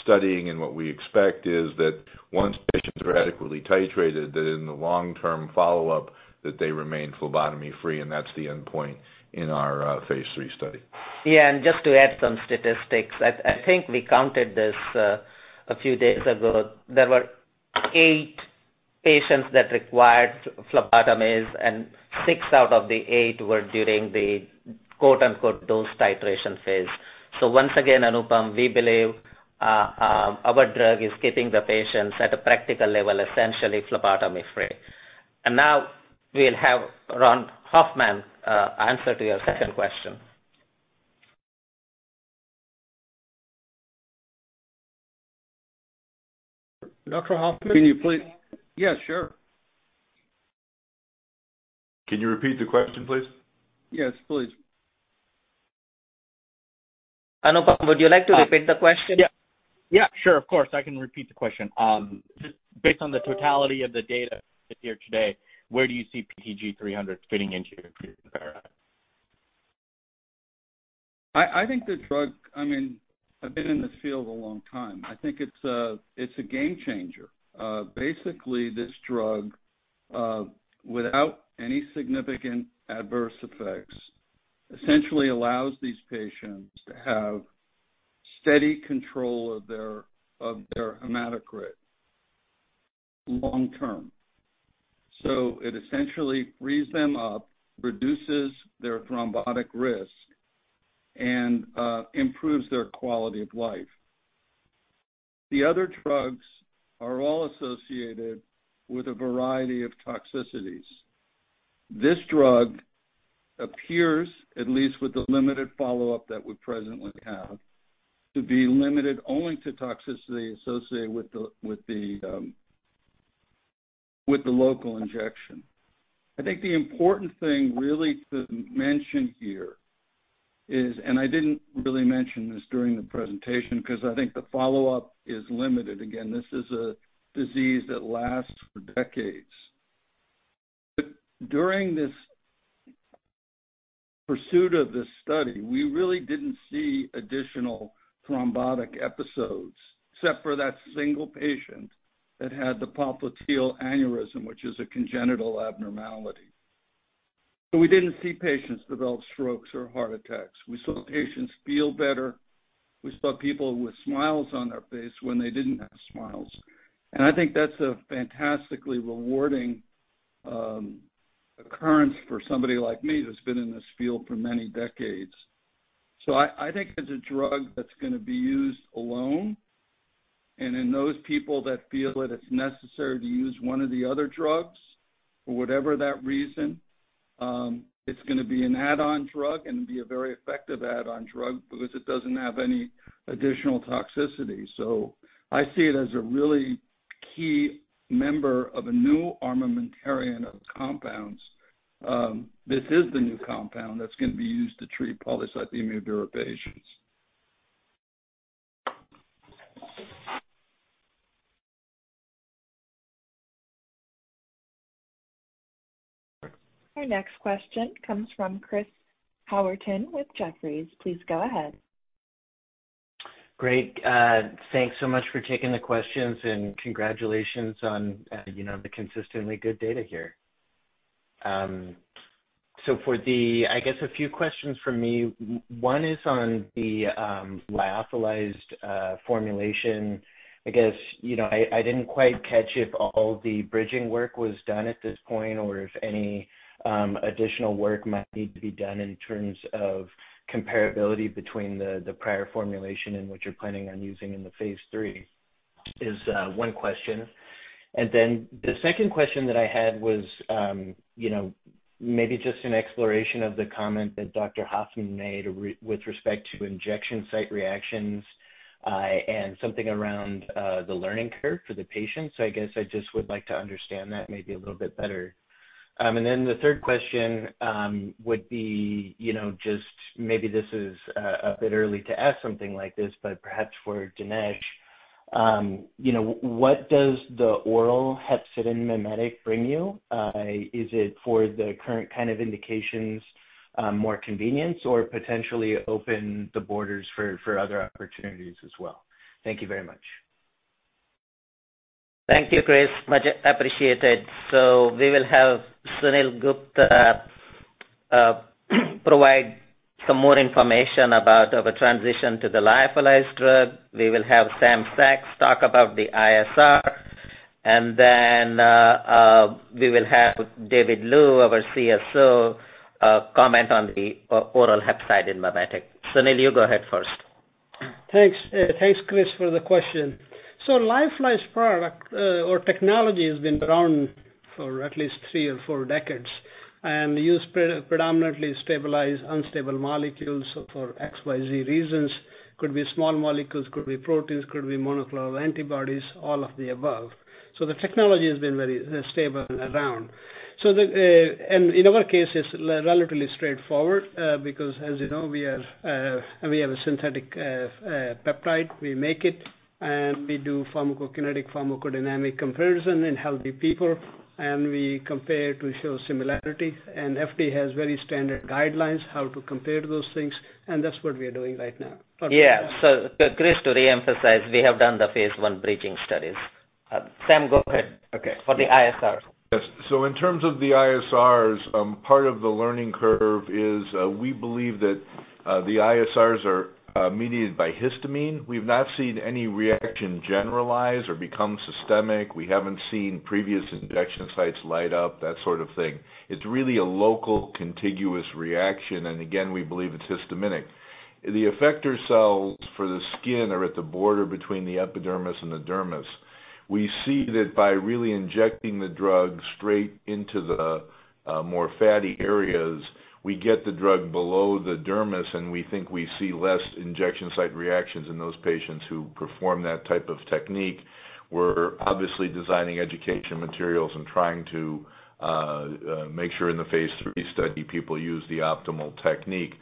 studying and what we expect is that once patients are adequately titrated, that in the long-term follow-up, that they remain phlebotomy-free, and that's the endpoint in phase III study. Just to add some statistics, I think we counted this a few days ago. There were eight patients that required phlebotomies, 6/8 were during the "dose titration phase". Once again, Anupam, we believe our drug is keeping the patients at a practical level, essentially phlebotomy-free. Now we'll have Ronald Hoffman answer to your second question. Dr. Hoffman. Yeah, sure. Can you repeat the question, please? Yes, please. Anupam, would you like to repeat the question? Yeah. Sure. Of course, I can repeat the question. Based on the totality of the data here today, where do you see PTG-300 fitting into your treatment paradigm? I think the drug. I've been in this field a long time. I think it's a game changer. Basically, this drug, without any significant adverse effects, essentially allows these patients to have steady control of their hematocrit long term. It essentially frees them up, reduces their thrombotic risk, and improves their quality of life. The other drugs are all associated with a variety of toxicities. This drug appears, at least with the limited follow-up that we presently have, to be limited only to toxicity associated with the local injection. I think the important thing really to mention here is, I didn't really mention this during the presentation because I think the follow-up is limited. Again, this is a disease that lasts for decades. During this pursuit of this study, we really didn't see additional thrombotic episodes except for that single patient that had the popliteal aneurysm, which is a congenital abnormality. We didn't see patients develop strokes or heart attacks. We saw patients feel better. We saw people with smiles on their face when they didn't have smiles. I think that's a fantastically rewarding occurrence for somebody like me who's been in this field for many decades. I think it's a drug that's going to be used alone. In those people that feel that it's necessary to use one of the other drugs for whatever that reason, it's going to be an add-on drug and be a very effective add-on drug because it doesn't have any additional toxicity. I see it as a really key member of a new armamentarium of compounds. This is the new compound that's going to be used to treat polycythemia vera patients. Our next question comes from Chris Howerton with Jefferies. Please go ahead. Great. Thanks so much for taking the questions, and congratulations on the consistently good data here. I guess a few questions from me. One is on the lyophilized formulation. I guess I didn't quite catch if all the bridging work was done at this point or if any additional work might need to be done in terms of comparability between the prior formulation and what you're planning on using in phase III, is one question. The second question that I had was maybe just an exploration of the comment that Dr. Hoffman made with respect to injection site reactions and something around the learning curve for the patients. I guess I just would like to understand that maybe a little bit better. Then the third question would be, just maybe this is a bit early to ask something like this, but perhaps for Dinesh, what does the oral hepcidin mimetic bring you? Is it for the current kind of indications more convenience or potentially open the borders for other opportunities as well? Thank you very much. Thank you, Chris. Much appreciated. We will have Suneel Gupta provide some more information about our transition to the lyophilized drug. We will have Samuel Saks talk about the ISR, and then we will have David Liu, our Chief Scientific Officer, comment on the oral hepcidin mimetic. Suneel, you go ahead first. Thanks, Chris, for the question. Lyophilized product or technology has been around for at least three or four decades and used predominantly to stabilize unstable molecules for XYZ reasons. Could be small molecules, could be proteins, could be monoclonal antibodies, all of the above. The technology has been very stable and around. In our case, it's relatively straightforward because as you know, we have a synthetic peptide. We make it, and we do pharmacokinetic/pharmacodynamic comparison in healthy people, and we compare to show similarity. FDA has very standard guidelines how to compare those things, and that's what we're doing right now. Chris, to re-emphasize, we have done the phase I bridging studies. Sam, go ahead. Okay. For the ISR. Yes. In terms of the ISRs, part of the learning curve is we believe that the ISRs are mediated by histamine. We've not seen any reaction generalized or become systemic. We haven't seen previous injection sites light up, that sort of thing. It's really a local contiguous reaction, and again, we believe it's histaminic. The effector cells for the skin are at the border between the epidermis and the dermis. We see that by really injecting the drug straight into the more fatty areas, we get the drug below the dermis, and we think we see less injection site reactions in those patients who perform that type of technique. We're obviously designing education materials and trying to make sure in phase III study people use the optimal technique.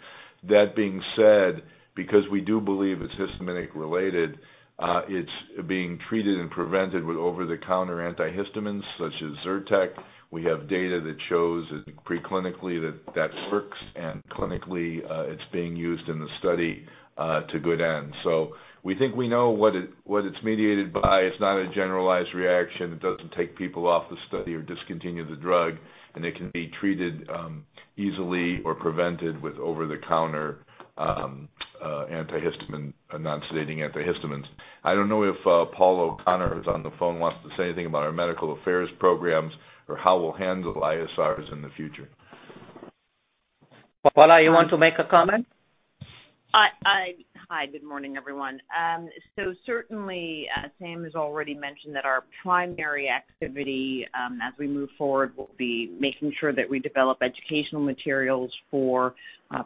That being said, because we do believe it's histaminic related, it's being treated and prevented with over-the-counter antihistamines such as ZYRTEC. We have data that shows that preclinically that works, and clinically, it's being used in the study to good end. We think we know what it's mediated by. It's not a generalized reaction. It doesn't take people off the study or discontinue the drug, and it can be treated easily or prevented with over-the-counter non-sedating antihistamines. I don't know if Paula O'Connor, who's on the phone, wants to say anything about our medical affairs programs or how we'll handle ISRs in the future. Paula, you want to make a comment? Hi, good morning, everyone. Certainly, Sam has already mentioned that our primary activity, as we move forward, will be making sure that we develop educational materials for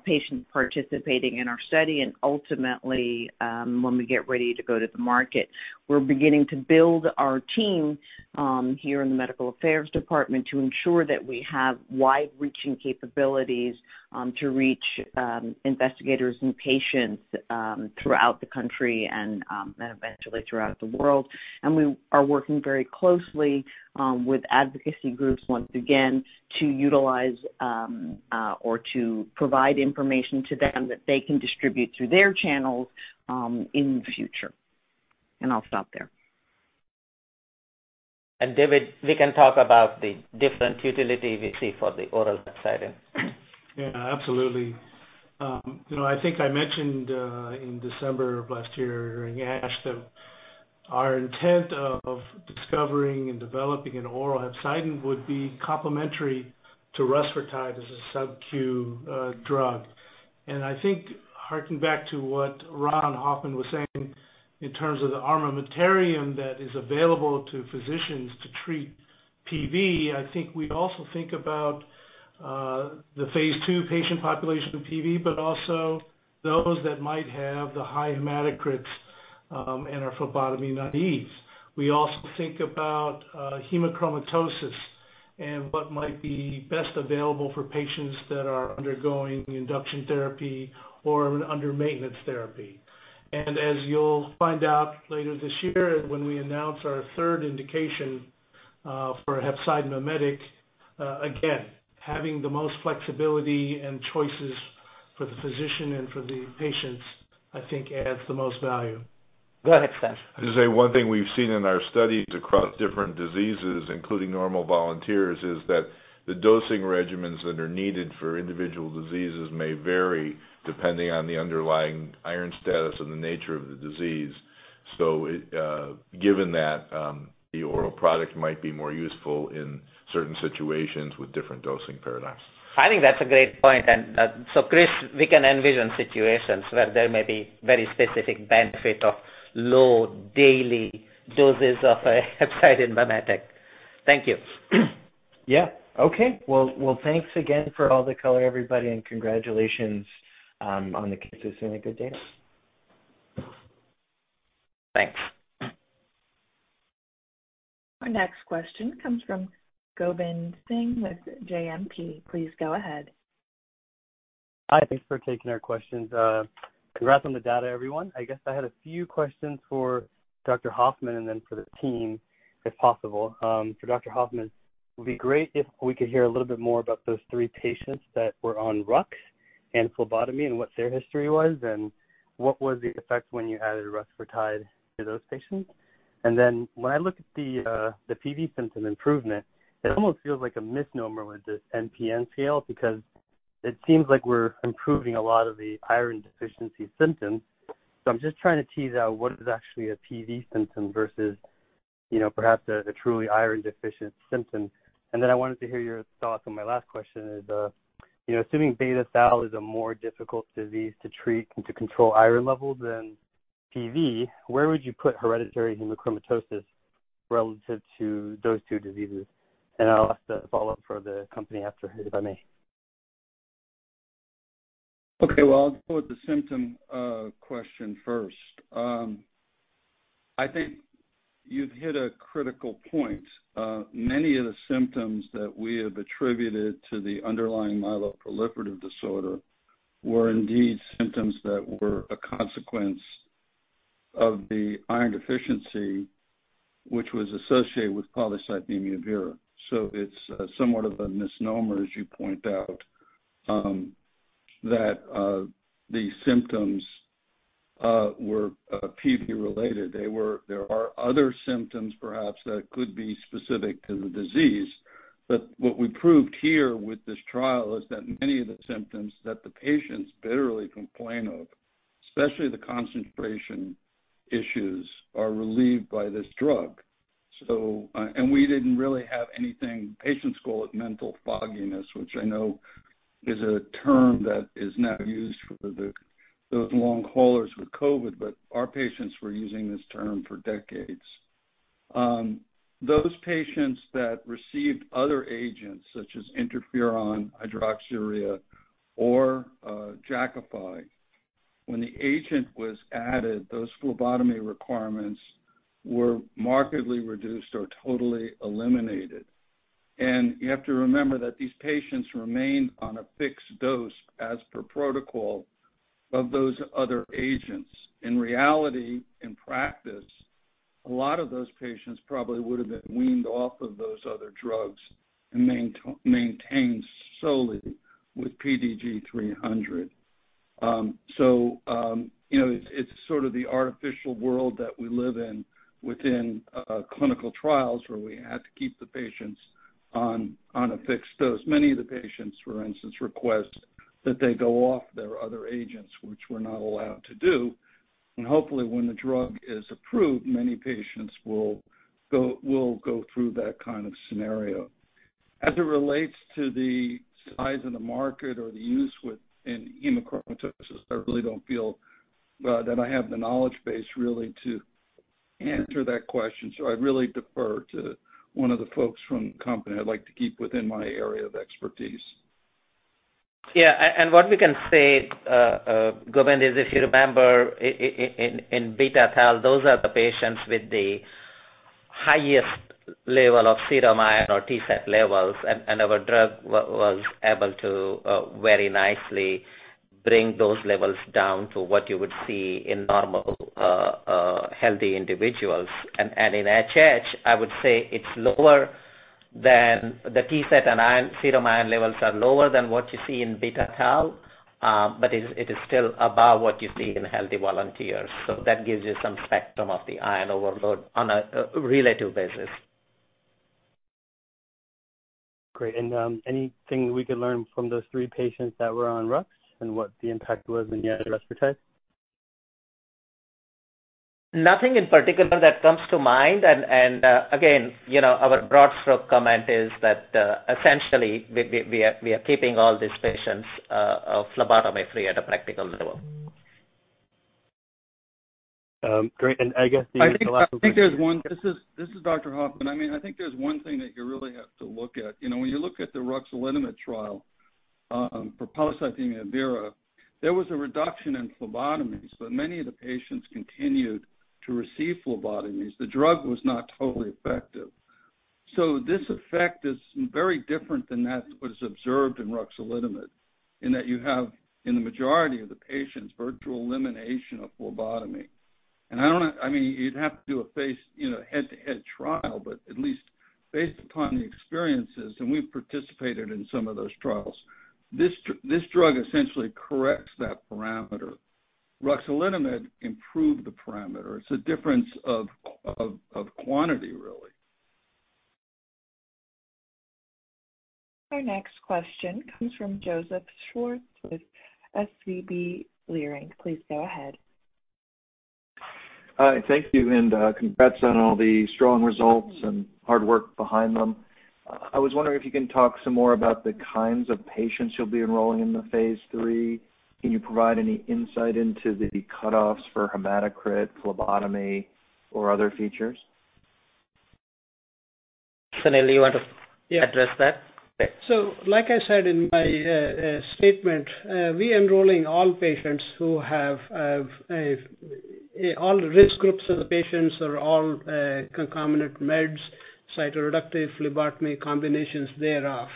patients participating in our study, and ultimately, when we get ready to go to the market. We're beginning to build our team here in the medical affairs department to ensure that we have wide-reaching capabilities to reach investigators and patients throughout the country and eventually throughout the world. We are working very closely with advocacy groups once again to utilize or to provide information to them that they can distribute through their channels in the future. I'll stop there. David, we can talk about the different utility we see for the oral hepcidin. Absolutely. I think I mentioned in December of last year during ASH that our intent of discovering and developing an oral hepcidin would be complementary to rusfertide as a subcu drug. I think hearkening back to what Ron Hoffman was saying in terms of the armamentarium that is available to physicians to treat PV, I think we also think about the phase II patient population with PV, but also those that might have the high hematocrits and are phlebotomy naive. We also think about hemochromatosis and what might be best available for patients that are undergoing induction therapy or under maintenance therapy. As you'll find out later this year when we announce our third indication for hepcidin mimetic, again, having the most flexibility and choices for the physician and for the patients, I think adds the most value. Go ahead, Sam. To say one thing we've seen in our studies across different diseases, including normal volunteers, is that the dosing regimens that are needed for individual diseases may vary depending on the underlying iron status or the nature of the disease. Given that, the oral product might be more useful in certain situations with different dosing paradigms. I think that's a great point. Chris, we can envision situations where there may be very specific benefit of low daily doses of a hepcidin mimetic. Thank you. Yeah. Okay. Well, thanks again for all the color, everybody, and congratulations on the [audio distorion]. Have a good day. Thanks. Our next question comes from [Gobind Singh] with JMP. Please go ahead. Hi. Thanks for taking our questions. Congrats on the data, everyone. I guess I had a few questions for Dr. Hoffman and then for the team, if possible. For Dr. Hoffman, it would be great if we could hear a little bit more about those three patients that were on Rux and phlebotomy and what their history was, what was the effect when you added rusfertide to those patients. When I look at the PV symptom improvement, it almost feels like a misnomer with this MPN scale because it seems like we're improving a lot of the iron deficiency symptoms. I'm just trying to tease out what is actually a PV symptom versus perhaps a truly iron-deficient symptom. I wanted to hear your thoughts on my last question is, assuming beta thalassemia is a more difficult disease to treat and to control iron levels than PV, where would you put hereditary hemochromatosis relative to those two diseases? I'll ask a follow-up for the company after, if I may. Well, I'll go with the symptom question first. I think you've hit a critical point. Many of the symptoms that we have attributed to the underlying myeloproliferative disorder were indeed symptoms that were a consequence of the iron deficiency, which was associated with polycythemia vera. It's somewhat of a misnomer, as you point out, that the symptoms were PV related. There are other symptoms perhaps that could be specific to the disease. What we proved here with this trial is that many of the symptoms that the patients bitterly complain of, especially the concentration issues, are relieved by this drug. We didn't really have anything. Patients call it mental fogginess, which I know is a term that is now used for those long haulers with COVID, but our patients were using this term for decades. Those patients that received other agents, such as interferon, hydroxyurea, or Jakafi, when the agent was added, those phlebotomy requirements were markedly reduced or totally eliminated. You have to remember that these patients remained on a fixed dose as per protocol of those other agents. In reality, in practice, a lot of those patients probably would have been weaned off of those other drugs and maintained solely with PTG-300. It's sort of the artificial world that we live in within clinical trials where we have to keep the patients on a fixed dose. Many of the patients, for instance, request that they go off their other agents, which we're not allowed to do. Hopefully when the drug is approved, many patients will go through that kind of scenario. As it relates to the size of the market or the use within hemochromatosis, I really don't feel that I have the knowledge base really to answer that question. I really defer to one of the folks from the company. I'd like to keep within my area of expertise. Yeah. What we can say, Gobind, is if you remember in beta thalassemia, those are the patients with the highest level of serum iron or TSAT levels, and our drug was able to very nicely bring those levels down to what you would see in normal, healthy individuals. In HH, I would say it's lower than the TSAT and iron, serum iron levels are lower than what you see in beta-thalassemia, but it is still above what you see in healthy volunteers. That gives you some spectrum of the iron overload on a relative basis. Great. Anything we can learn from those three patients that were on Rux and what the impact was when you added rusfertide? Nothing in particular that comes to mind and, again, our broad stroke comment is that, essentially, we are keeping all these patients phlebotomy-free at a practical level. Great. I guess maybe the last one. This is Dr. Hoffman. I think there's one thing that you really have to look at. When you look at the ruxolitinib trial for polycythemia vera, there was a reduction in phlebotomies, but many of the patients continued to receive phlebotomies. The drug was not totally effective. This effect is very different than that which was observed in ruxolitinib, in that you have, in the majority of the patients, virtual elimination of phlebotomy. You'd have to do a head-to-head trial, but at least based upon the experiences, and we've participated in some of those trials, this drug essentially corrects that parameter. Ruxolitinib improved the parameter. It's a difference of quantity, really. Our next question comes from Joseph Schwartz with SVB Leerink. Please go ahead. Hi. Thank you, and congrats on all the strong results and hard work behind them. I was wondering if you can talk some more about the kinds of patients you'll be enrolling in phase III. can you provide any insight into the cutoffs for hematocrit, phlebotomy, or other features? Suneel, you want to address that? Like I said in my statement, we're enrolling all risk groups of the patients or all concomitant meds, cytoreductive phlebotomy combinations thereof.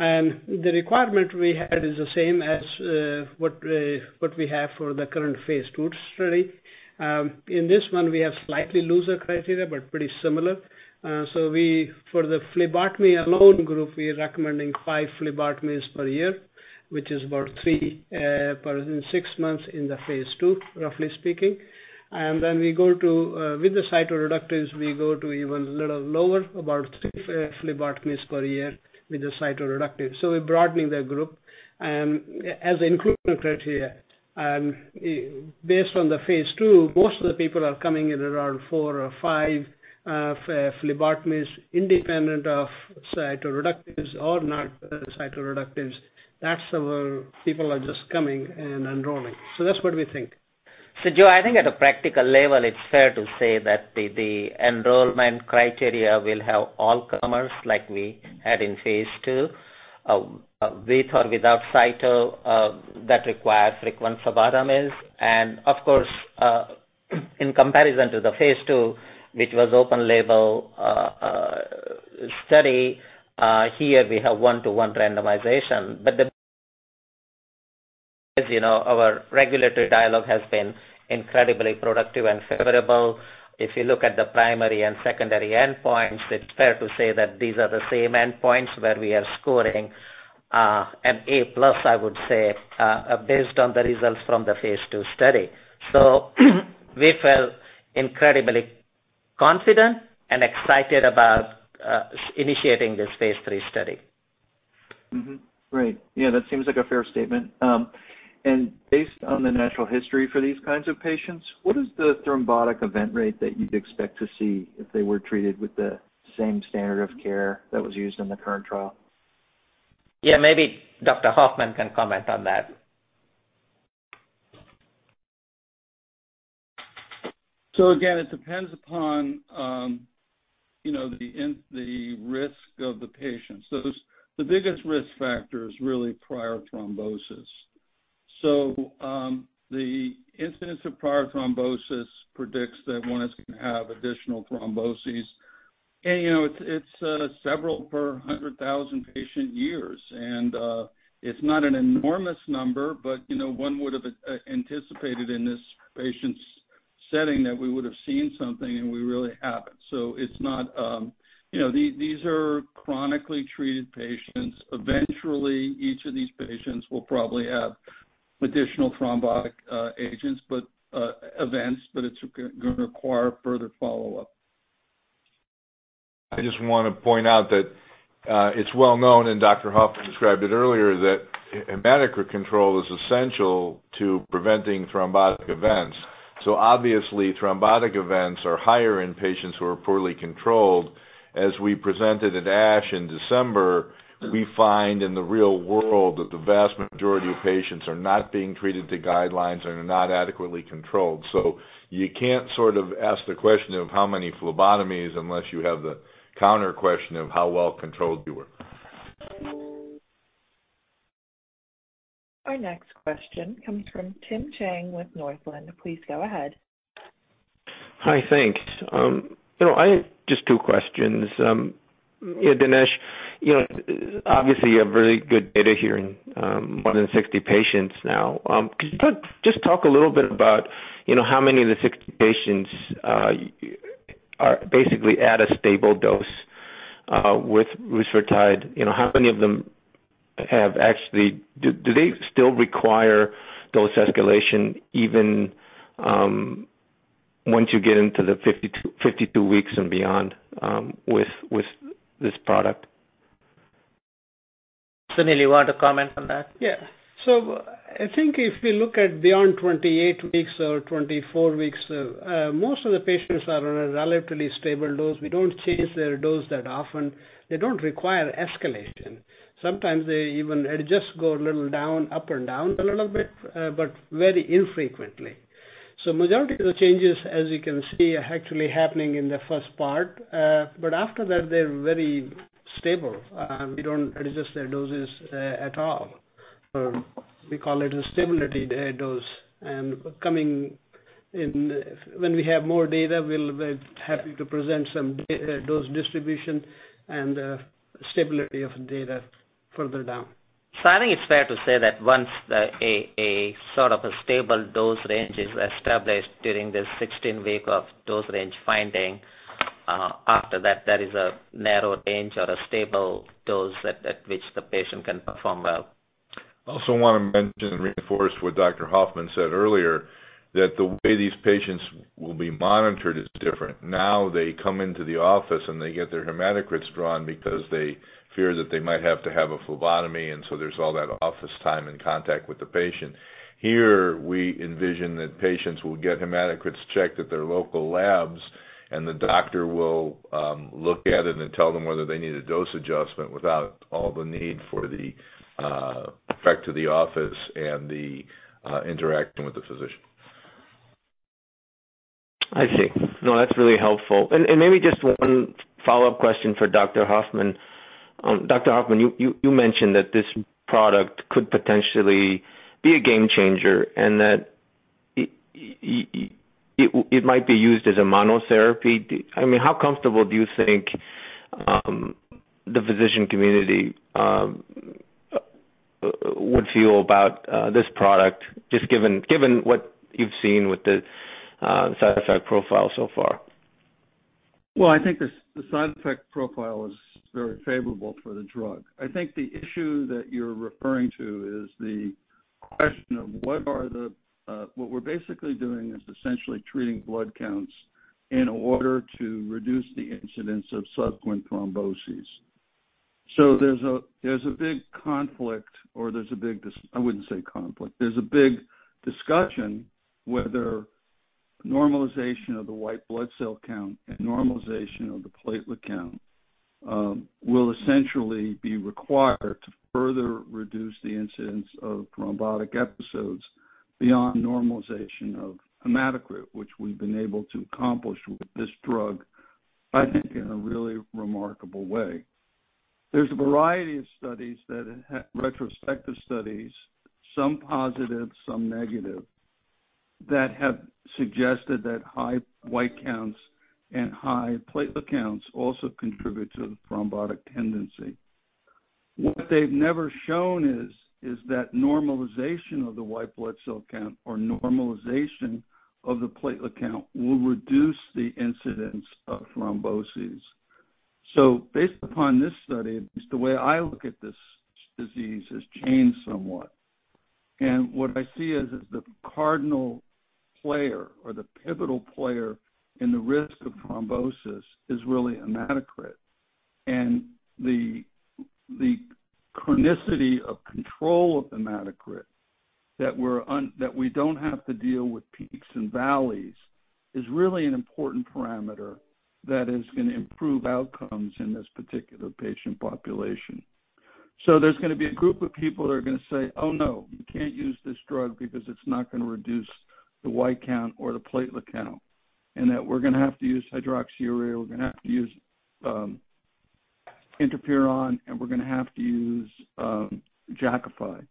The requirement we had is the same as what we have for the current phase II study. In this one, we have slightly looser criteria, but pretty similar. For the phlebotomy alone group, we're recommending five phlebotomies per year, which is about three per six months in the phase II, roughly speaking. With the cytoreductives, we go to even a little lower, about three phlebotomies per year with the cytoreductive. We're broadening the group as inclusion criteria. Based on the phase II, most of the people are coming in around four or five phlebotomies, independent of cytoreductives or not cytoreductives. That's where people are just coming and enrolling. That's what we think. Joe, I think at a practical level, it's fair to say that the enrollment criteria will have all comers like we had in phase II, with or without cyto, that require frequent phlebotomies. Of course, in comparison to the phase II, which was open label study, here we have one-to-one randomization. Our regulatory dialogue has been incredibly productive and favorable. If you look at the primary and secondary endpoints, it's fair to say that these are the same endpoints where we are scoring an A+, I would say, based on the results from the phase II study. We felt incredibly confident and excited about initiating phase III study. Right. Yeah, that seems like a fair statement. Based on the natural history for these kinds of patients, what is the thrombotic event rate that you'd expect to see if they were treated with the same standard of care that was used in the current trial? Yeah, maybe Dr. Hoffman can comment on that. Again, it depends upon the risk of the patient. The biggest risk factor is really prior thrombosis. The incidence of prior thrombosis predicts that one is going to have additional thromboses. It's several per 100,000 patient years, and it's not an enormous number, but one would've anticipated in this patient's setting that we would've seen something, and we really haven't. These are chronically treated patients. Eventually, each of these patients will probably have additional thrombotic events, but it's going to require further follow-up. I just want to point out that it's well known, and Dr. Hoffman described it earlier, that hematocrit control is essential to preventing thrombotic events. Obviously, thrombotic events are higher in patients who are poorly controlled. As we presented at ASH in December, we find in the real world that the vast majority of patients are not being treated to guidelines and are not adequately controlled. You can't ask the question of how many phlebotomies unless you have the counter question of how well-controlled you were. Our next question comes from Tim Chiang with Northland. Please go ahead. Hi, thanks. I have just two questions. Dinesh, obviously you have very good data here, more than 60 patients now. Could you just talk a little bit about how many of the 60 patients are basically at a stable dose with rusfertide. Do they still require dose escalation even once you get into the 52 weeks and beyond, with this product? Suneel, you want to comment on that? I think if we look at beyond 28 weeks or 24 weeks, most of the patients are on a relatively stable dose. We don't change their dose that often. They don't require escalation. Sometimes it'll just go a little down, up and down a little bit, but very infrequently. Majority of the changes, as you can see, are actually happening in the first part. After that, they're very stable. We don't adjust their doses at all. We call it a stability dose, and when we have more data, we'll be happy to present some dose distribution and stability of data further down. I think it's fair to say that once a stable dose range is established during the 16-week of dose range finding, after that, there is a narrow range or a stable dose at which the patient can perform well. I also want to mention and reinforce what Dr. Hoffman said earlier, that the way these patients will be monitored is different. Now they come into the office, and they get their hematocrits drawn because they fear that they might have to have a phlebotomy, and so there's all that office time and contact with the patient. Here, we envision that patients will get hematocrits checked at their local labs, and the doctor will look at it and tell them whether they need a dose adjustment without all the need for the effect of the office and the interacting with the physician. I see. No, that's really helpful. Maybe just one follow-up question for Dr. Hoffman. Dr. Hoffman, you mentioned that this product could potentially be a game changer and that it might be used as a monotherapy. How comfortable do you think the physician community would feel about this product, just given what you've seen with the side effect profile so far? Well, I think the side effect profile is very favorable for the drug. I think the issue that you're referring to is the question of what we're basically doing is essentially treating blood counts in order to reduce the incidence of subsequent thromboses. There's a big conflict, or I wouldn't say conflict. There's a big discussion whether normalization of the white blood cell count and normalization of the platelet count will essentially be required to further reduce the incidence of thrombotic episodes beyond normalization of hematocrit, which we've been able to accomplish with this drug, I think, in a really remarkable way. There's a variety of studies, retrospective studies, some positive, some negative, that have suggested that high white counts and high platelet counts also contribute to the thrombotic tendency. What they've never shown is that normalization of the white blood cell count or normalization of the platelet count will reduce the incidence of thromboses. Based upon this study, at least the way I look at this disease, has changed somewhat. What I see is that the cardinal player or the pivotal player in the risk of thrombosis is really hematocrit. The chronicity of control of hematocrit, that we don't have to deal with peaks and valleys, is really an important parameter that is going to improve outcomes in this particular patient population. There's going to be a group of people that are going to say, "Oh, no, you can't use this drug because it's not going to reduce the white count or the platelet count," and that we're going to have to use hydroxyurea, we're going to have to use interferon, and we're going to have to use Jakafi.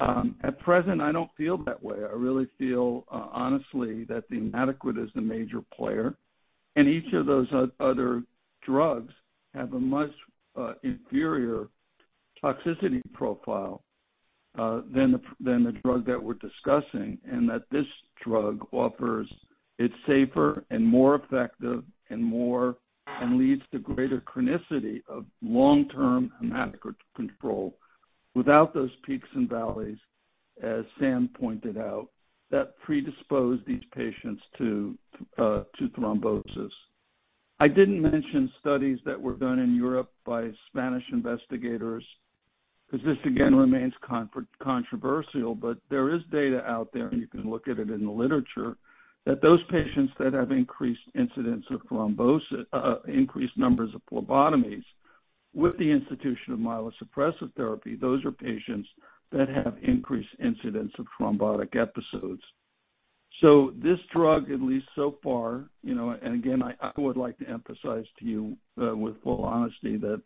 At present, I don't feel that way. I really feel, honestly, that the hematocrit is the major player, and each of those other drugs have a much inferior toxicity profile than the drug that we're discussing, and that this drug offers It's safer and more effective and leads to greater chronicity of long-term hematocrit control without those peaks and valleys, as Sam pointed out, that predispose these patients to thrombosis. I didn't mention studies that were done in Europe by Spanish investigators because this, again, remains controversial, but there is data out there, and you can look at it in the literature, that those patients that have increased numbers of phlebotomies with the institution of myelosuppressive therapy, those are patients that have increased incidence of thrombotic episodes. This drug, at least so far, and again, I would like to emphasize to you with full honesty that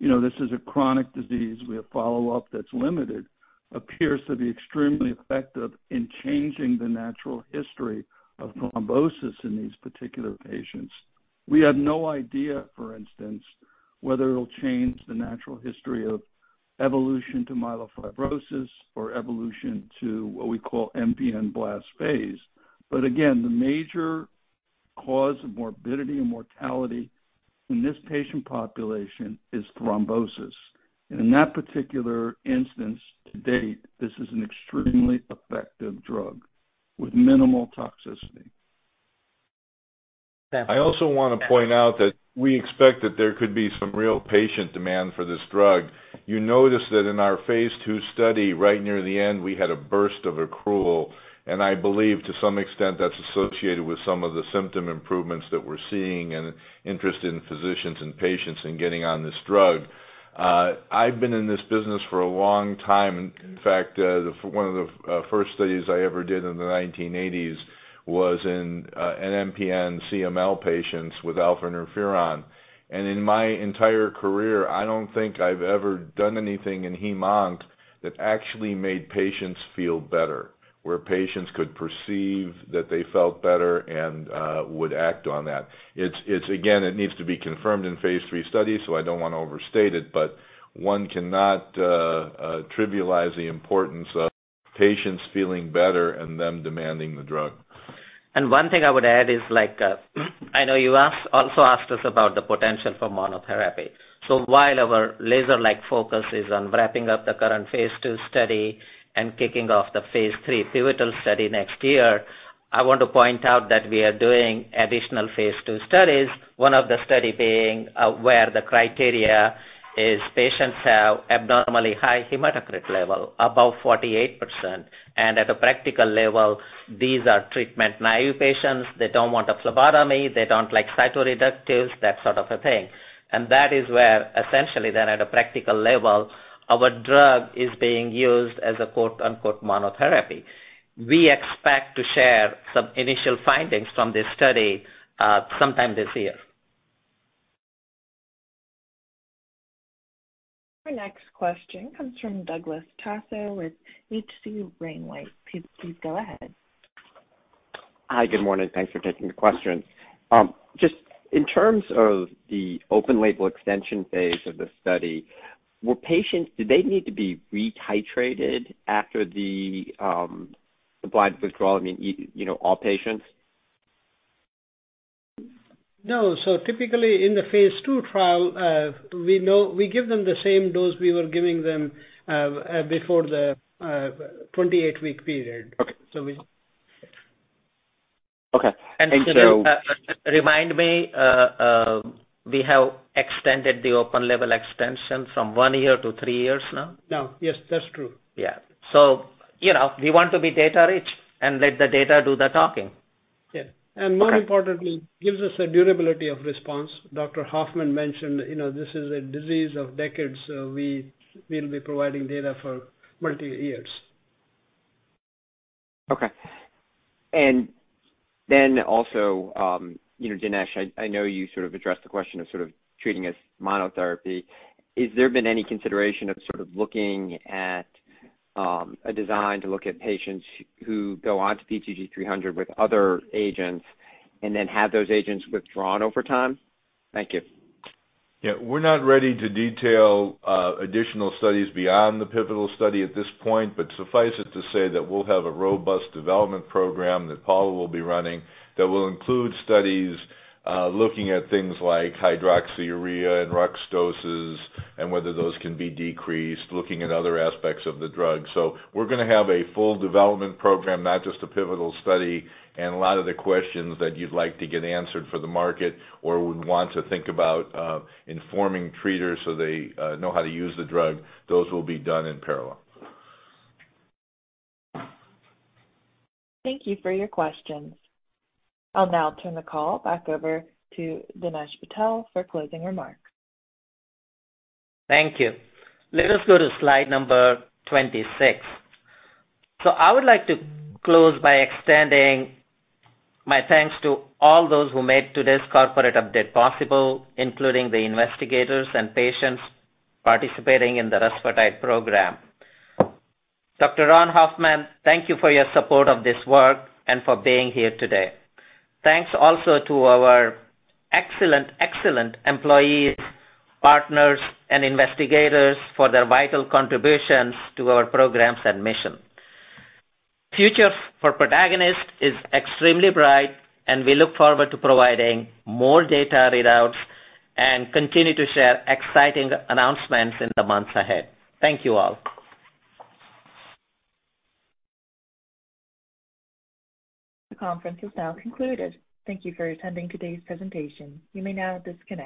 this is a chronic disease, we have follow-up that's limited, appears to be extremely effective in changing the natural history of thrombosis in these particular patients. We have no idea, for instance, whether it'll change the natural history of evolution to myelofibrosis or evolution to what we call MPN blast phase. Again, the major cause of morbidity and mortality in this patient population is thrombosis. In that particular instance, to date, this is an extremely effective drug with minimal toxicity. I also want to point out that we expect that there could be some real patient demand for this drug. You notice that in our phase II study, right near the end, we had a burst of accrual. I believe to some extent that's associated with some of the symptom improvements that we're seeing and interest in physicians and patients in getting on this drug. I've been in this business for a long time. In fact, one of the first studies I ever did in the 1980s was in MPN CML patients with alpha interferon. In my entire career, I don't think I've ever done anything in heme/onc that actually made patients feel better, where patients could perceive that they felt better and would act on that. It needs to be confirmed phase III studies, so I don't want to overstate it, but one cannot trivialize the importance of patients feeling better and them demanding the drug. One thing I would add is, I know you also asked us about the potential for monotherapy. While our laser-like focus is on wrapping up the current phase II study and kicking off phase III pivotal study next year, I want to point out that we are doing additional phase II studies. One of the study being where the criteria is patients have abnormally high hematocrit level, above 48%. At a practical level, these are treatment-naive patients. They don't want a phlebotomy. They don't like cytoreductives, that sort of a thing. That is where essentially then at a practical level, our drug is being used as a quote-unquote monotherapy. We expect to share some initial findings from this study sometime this year. Our next question comes from Douglas Tsao with H.C. Wainwright. Please go ahead. Hi, good morning. Thanks for taking the questions. Just in terms of the open label extension phase of the study, did they need to be re-titrated after the blind withdrawal, all patients? No. Typically in the phase II trial, we give them the same dose we were giving them before the 28-week period. Okay. Just to remind you, we have extended the open label extension from one year to three years now. No, yes, that's true. Yeah. We want to be data rich and let the data do the talking. Yeah. More importantly, gives us a durability of response. Dr. Hoffman mentioned, this is a disease of decades. We'll be providing data for multiple years. Okay. Then also, Dinesh, I know you sort of addressed the question of sort of treating as monotherapy. Has there been any consideration of sort of looking at a design to look at patients who go onto PTG-300 with other agents and then have those agents withdrawn over time? Thank you. Yeah, we're not ready to detail additional studies beyond the pivotal study at this point. Suffice it to say that we'll have a robust development program that Paula will be running that will include studies looking at things like hydroxyurea and Rux doses and whether those can be decreased, looking at other aspects of the drug. We're going to have a full development program, not just a pivotal study. A lot of the questions that you'd like to get answered for the market or would want to think about informing treaters so they know how to use the drug, those will be done in parallel. Thank you for your questions. I will now turn the call back over to Dinesh Patel for closing remarks. Thank you. Let us go to slide number 26. I would like to close by extending my thanks to all those who made today's corporate update possible, including the investigators and patients participating in the rusfertide program. Dr. Ronald Hoffman, thank you for your support of this work and for being here today. Thanks also to our excellent employees, partners, and investigators for their vital contributions to our programs and mission. Future for Protagonist is extremely bright, and we look forward to providing more data readouts and continue to share exciting announcements in the months ahead. Thank you all. The conference is now concluded. Thank you for attending today's presentation. You may now disconnect.